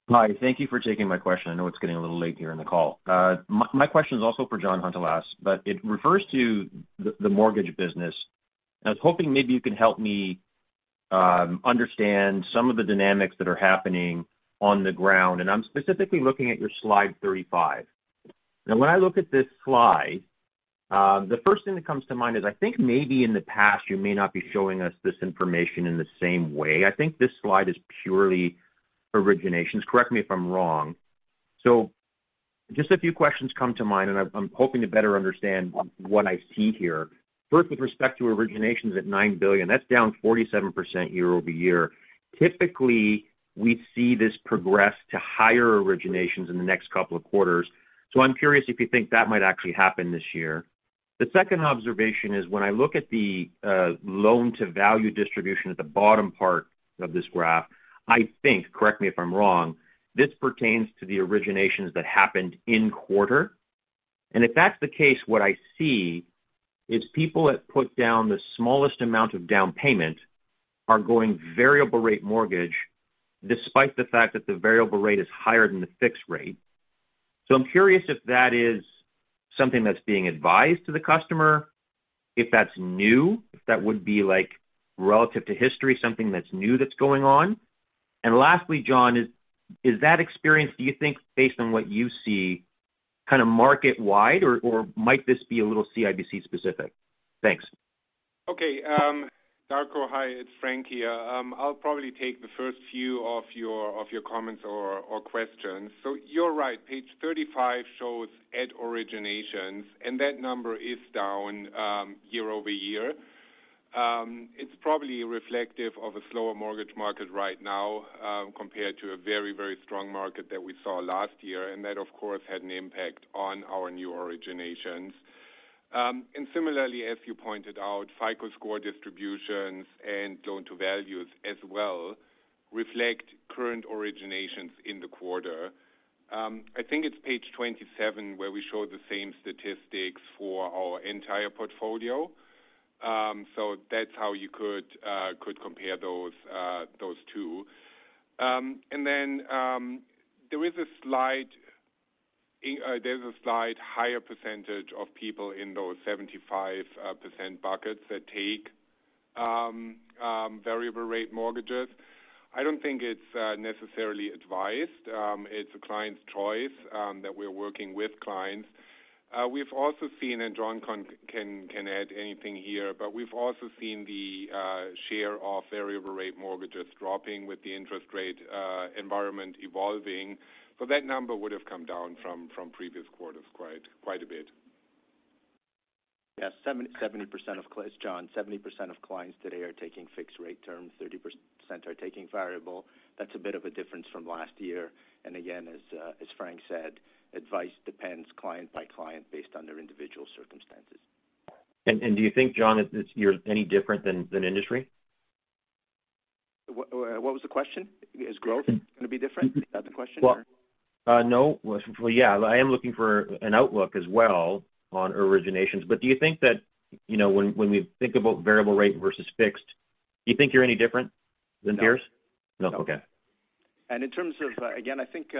Hi. Thank you for taking my question. I know it's getting a little late here in the call. My question is also for Jon Hountalas, but it refers to the mortgage business. I was hoping maybe you can help me understand some of the dynamics that are happening on the ground. I'm specifically looking at your Slide 35. When I look at this slide, the first thing that comes to mind is I think maybe in the past you may not be showing us this information in the same way. I think this slide is purely originations. Correct me if I'm wrong. Just a few questions come to mind, and I'm hoping to better understand what I see here. First, with respect to originations at $9 billion, that's down 47% year-over-year. Typically, we see this progress to higher originations in the next couple of quarters. I'm curious if you think that might actually happen this year? The second observation is when I look at the loan-to-value distribution at the bottom part of this graph, I think, correct me if I'm wrong, this pertains to the originations that happened in quarter. If that's the case, what I see is people that put down the smallest amount of down payment are going variable rate mortgage despite the fact that the variable rate is higher than the fixed rate. I'm curious if that is something that's being advised to the customer, if that's new, if that would be like relative to history, something that's new that's going on? lastly, Jon, is that experience, do you think, based on what you see kinda market wide or might this be a little CIBC specific? Thanks. Okay. Darko, hi, it's Frank here. I'll probably take the first few of your, of your comments or questions. You're right, Page 35 shows at originations, and that number is down, year-over-year. It's probably reflective of a slower mortgage market right now, compared to a very, very strong market that we saw last year. That, of course, had an impact on our new originations. Similarly, as you pointed out, FICO score distributions and loan-to-values as well reflect current originations in the quarter. I think it's Page 27 where we show the same statistics for our entire portfolio. That's how you could compare those two. There's a slight higher percentage of people in those 75% buckets that take variable rate mortgages. I don't think it's necessarily advised. It's a client's choice that we're working with clients. We've also seen, Jon can add anything here, we've also seen the share of variable rate mortgages dropping with the interest rate environment evolving. That number would have come down from previous quarters quite a bit. Yes. It's Jon. 70% of clients today are taking fixed rate terms, 30% are taking variable. That's a bit of a difference from last year. Again, as Frank said, advice depends client by client based on their individual circumstances. Do you think, Jon, it's you're any different than industry? What, what was the question? Is growth gonna be different? Is that the question? Well, no. Well, yeah, I am looking for an outlook as well on originations. Do you think that, you know, when we think about variable rate versus fixed, do you think you're any different than peers? No. No? Okay. In terms of, again, I think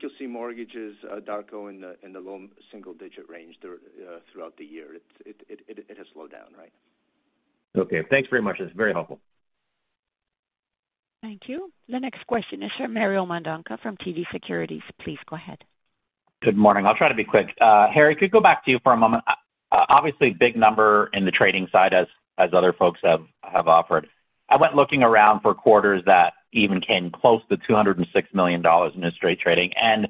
you'll see mortgages, Darko, in the low single digit range throughout the year. It has slowed down, right? Okay, thanks very much. It's very helpful. Thank you. The next question is from Mario Mendonca from TD Securities. Please go ahead. Good morning. I'll try to be quick. Harry, could go back to you for a moment. obviously big number in the trading side as other folks have offered. I went looking around for quarters that even came close to 206 million dollars in interest rate trading, and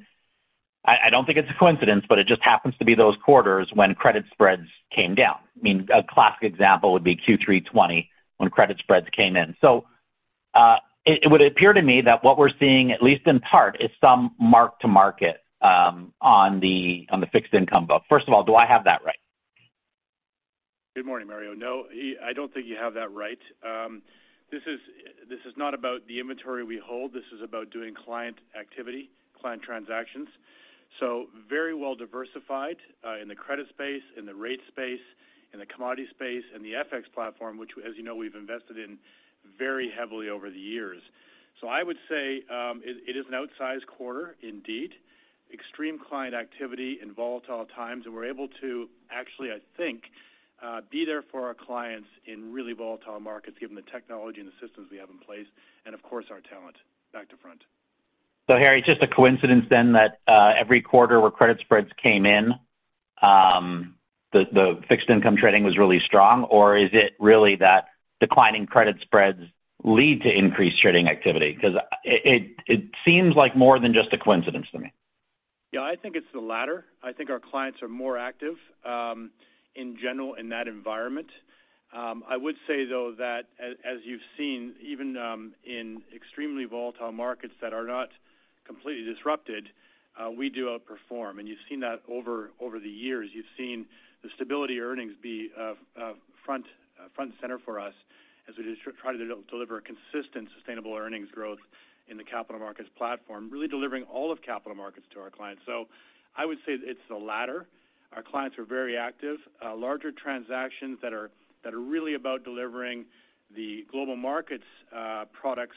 I don't think it's a coincidence, but it just happens to be those quarters when credit spreads came down. I mean, a classic example would be Q3 2020 when credit spreads came in. it would appear to me that what we're seeing, at least in part, is some mark-to-market on the fixed income book. First of all, do I have that right? Good morning, Mario. No, I don't think you have that right. This is not about the inventory we hold, this is about doing client activity, client transactions. Very well diversified, in the credit space, in the rate space, in the commodity space, and the FX platform, which as you know, we've invested in very heavily over the years. I would say, it is an outsized quarter indeed. Extreme client activity in volatile times, and we're able to actually, I think, be there for our clients in really volatile markets given the technology and the systems we have in place and of course, our talent back to front. Harry, just a coincidence then that every quarter where credit spreads came in, the fixed income trading was really strong? Is it really that declining credit spreads lead to increased trading activity? Cause it seems like more than just a coincidence to me. Yeah. I think it's the latter. I think our clients are more active, in general in that environment. I would say though that as you've seen, even, in extremely volatile markets that are not completely disrupted, we do outperform. You've seen that over the years. You've seen the stability earnings be of front and center for us as we try to deliver consistent, sustainable earnings growth in the Capital Markets platform, really delivering all of Capital Markets to our clients. I would say it's the latter. Our clients are very active, larger transactions that are really about delivering the Global Markets, products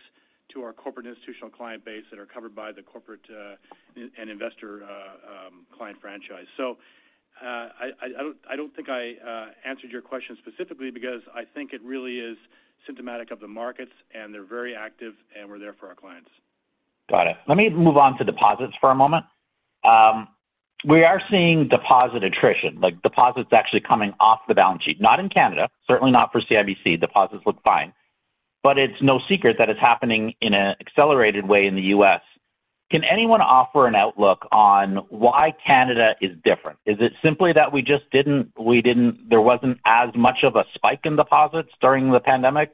to our corporate institutional client base that are covered by the corporate and investor, client franchise. I don't think I answered your question specifically because I think it really is symptomatic of the markets, and they're very active, and we're there for our clients. Got it. Let me move on to deposits for a moment. We are seeing deposit attrition, like deposits actually coming off the balance sheet, not in Canada, certainly not for CIBC. Deposits look fine, but it's no secret that it's happening in an accelerated way in the U.S. Can anyone offer an outlook on why Canada is different? Is it simply that we just didn't, there wasn't as much of a spike in deposits during the pandemic?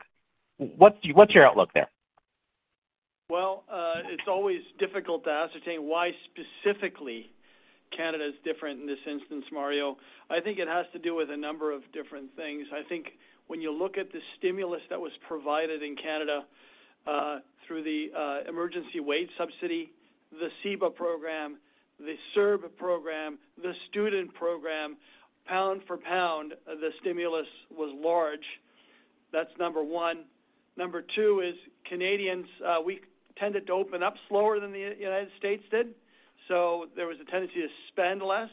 What's your outlook there? Well, it's always difficult to ascertain why specifically Canada is different in this instance, Mario. I think it has to do with a number of different things. I think when you look at the stimulus that was provided in Canada, through the Emergency Wage Subsidy, the CEBA program, the CERB program, the student program, pound for pound, the stimulus was large. That's number one. Number two is Canadians, we tended to open up slower than the United States did, so there was a tendency to spend less.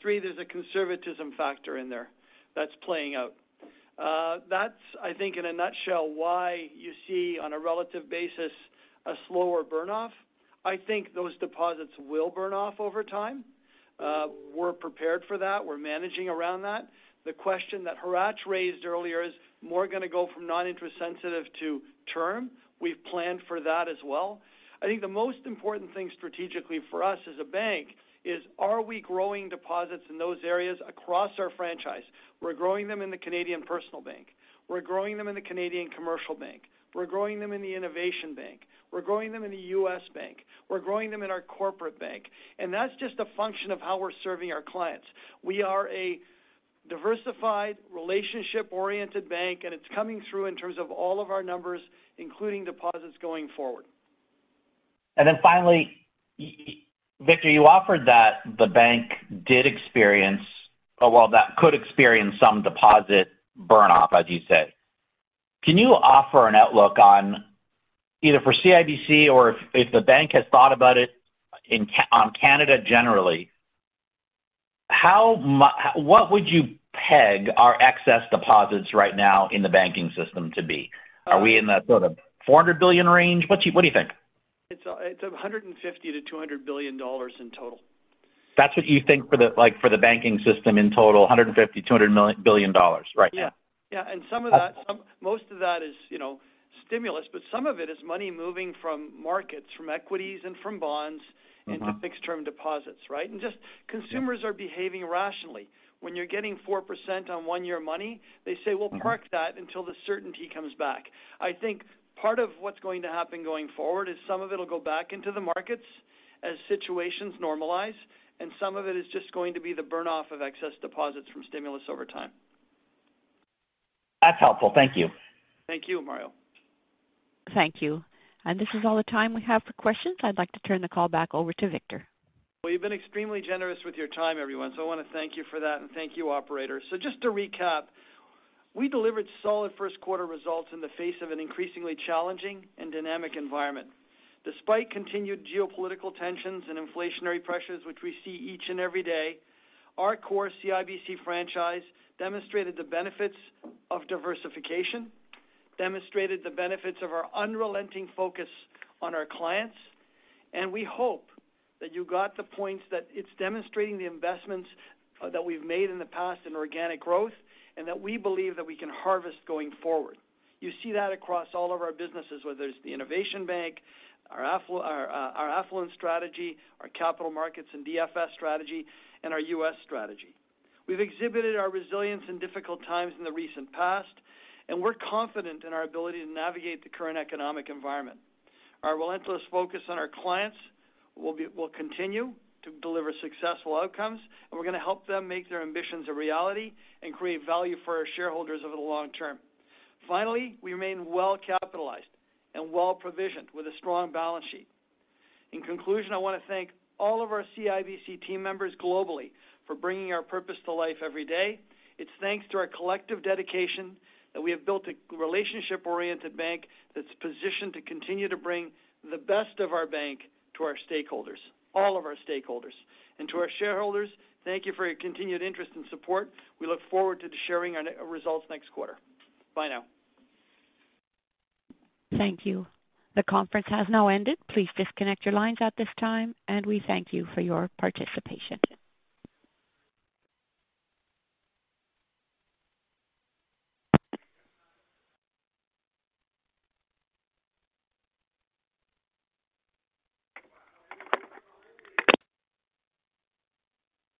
Three, there's a conservatism factor in there that's playing out. That's, I think in a nutshell why you see, on a relative basis, a slower burn off. I think those deposits will burn off over time. We're prepared for that. We're managing around that. The question that Haraj raised earlier is more gonna go from non-interest sensitive to term. We've planned for that as well. I think the most important thing strategically for us as a bank is are we growing deposits in those areas across our franchise? We're growing them in the Canadian Personal Bank. We're growing them in the Canadian Commercial Bank. We're growing them in the Innovation Bank. We're growing them in the U.S. Bank. We're growing them in our Corporate Bank. That's just a function of how we're serving our clients. We are a. Diversified, relationship-oriented bank, and it's coming through in terms of all of our numbers, including deposits going forward. Finally, Victor, you offered that the bank, well, that could experience some deposit burn off, as you said. Can you offer an outlook on, either for CIBC or if the bank has thought about it on Canada generally, what would you peg our excess deposits right now in the banking system to be? Are we in the sort of 400 billion range? What do you think? It's 150 billion-200 billion dollars in total. That's what you think for the, like, for the banking system in total, 150 billion dollars, 200 billion dollars, right? Yeah. Yeah. Some of that. Okay. Most of that is, you know, stimulus, but some of it is money moving from markets, from equities and from bonds... Mm-hmm. Into fixed-term deposits, right? just- Yeah. Consumers are behaving rationally. When you're getting 4% on one-year money, they say- Okay. We'll park that until the certainty comes back." I think part of what's going to happen going forward is some of it'll go back into the markets as situations normalize, and some of it is just going to be the burn off of excess deposits from stimulus over time. That's helpful. Thank you. Thank you, Mario. Thank you. This is all the time we have for questions. I'd like to turn the call back over to Victor. Well, you've been extremely generous with your time, everyone, so I wanna thank you for that. Thank you, Operator. Just to recap, we delivered solid first quarter results in the face of an increasingly challenging and dynamic environment. Despite continued geopolitical tensions and inflationary pressures, which we see each and every day, our core CIBC franchise demonstrated the benefits of diversification, demonstrated the benefits of our unrelenting focus on our clients, and we hope that you got the points that it's demonstrating the investments that we've made in the past in organic growth, and that we believe that we can harvest going forward. You see that across all of our businesses, whether it's the Innovation Bank, our affluent strategy, our capital markets and DFS strategy, and our U.S. strategy. We've exhibited our resilience in difficult times in the recent past. We're confident in our ability to navigate the current economic environment. Our relentless focus on our clients will continue to deliver successful outcomes, and we're gonna help them make their ambitions a reality and create value for our shareholders over the long term. Finally, we remain well capitalized and well provisioned with a strong balance sheet. In conclusion, I wanna thank all of our CIBC team members globally for bringing our purpose to life every day. It's thanks to our collective dedication that we have built a relationship-oriented bank that's positioned to continue to bring the best of our bank to our stakeholders, all of our stakeholders. To our shareholders, thank you for your continued interest and support. We look forward to sharing our results next quarter. Bye now. Thank you. The conference has now ended. Please disconnect your lines at this time. We thank you for your participation.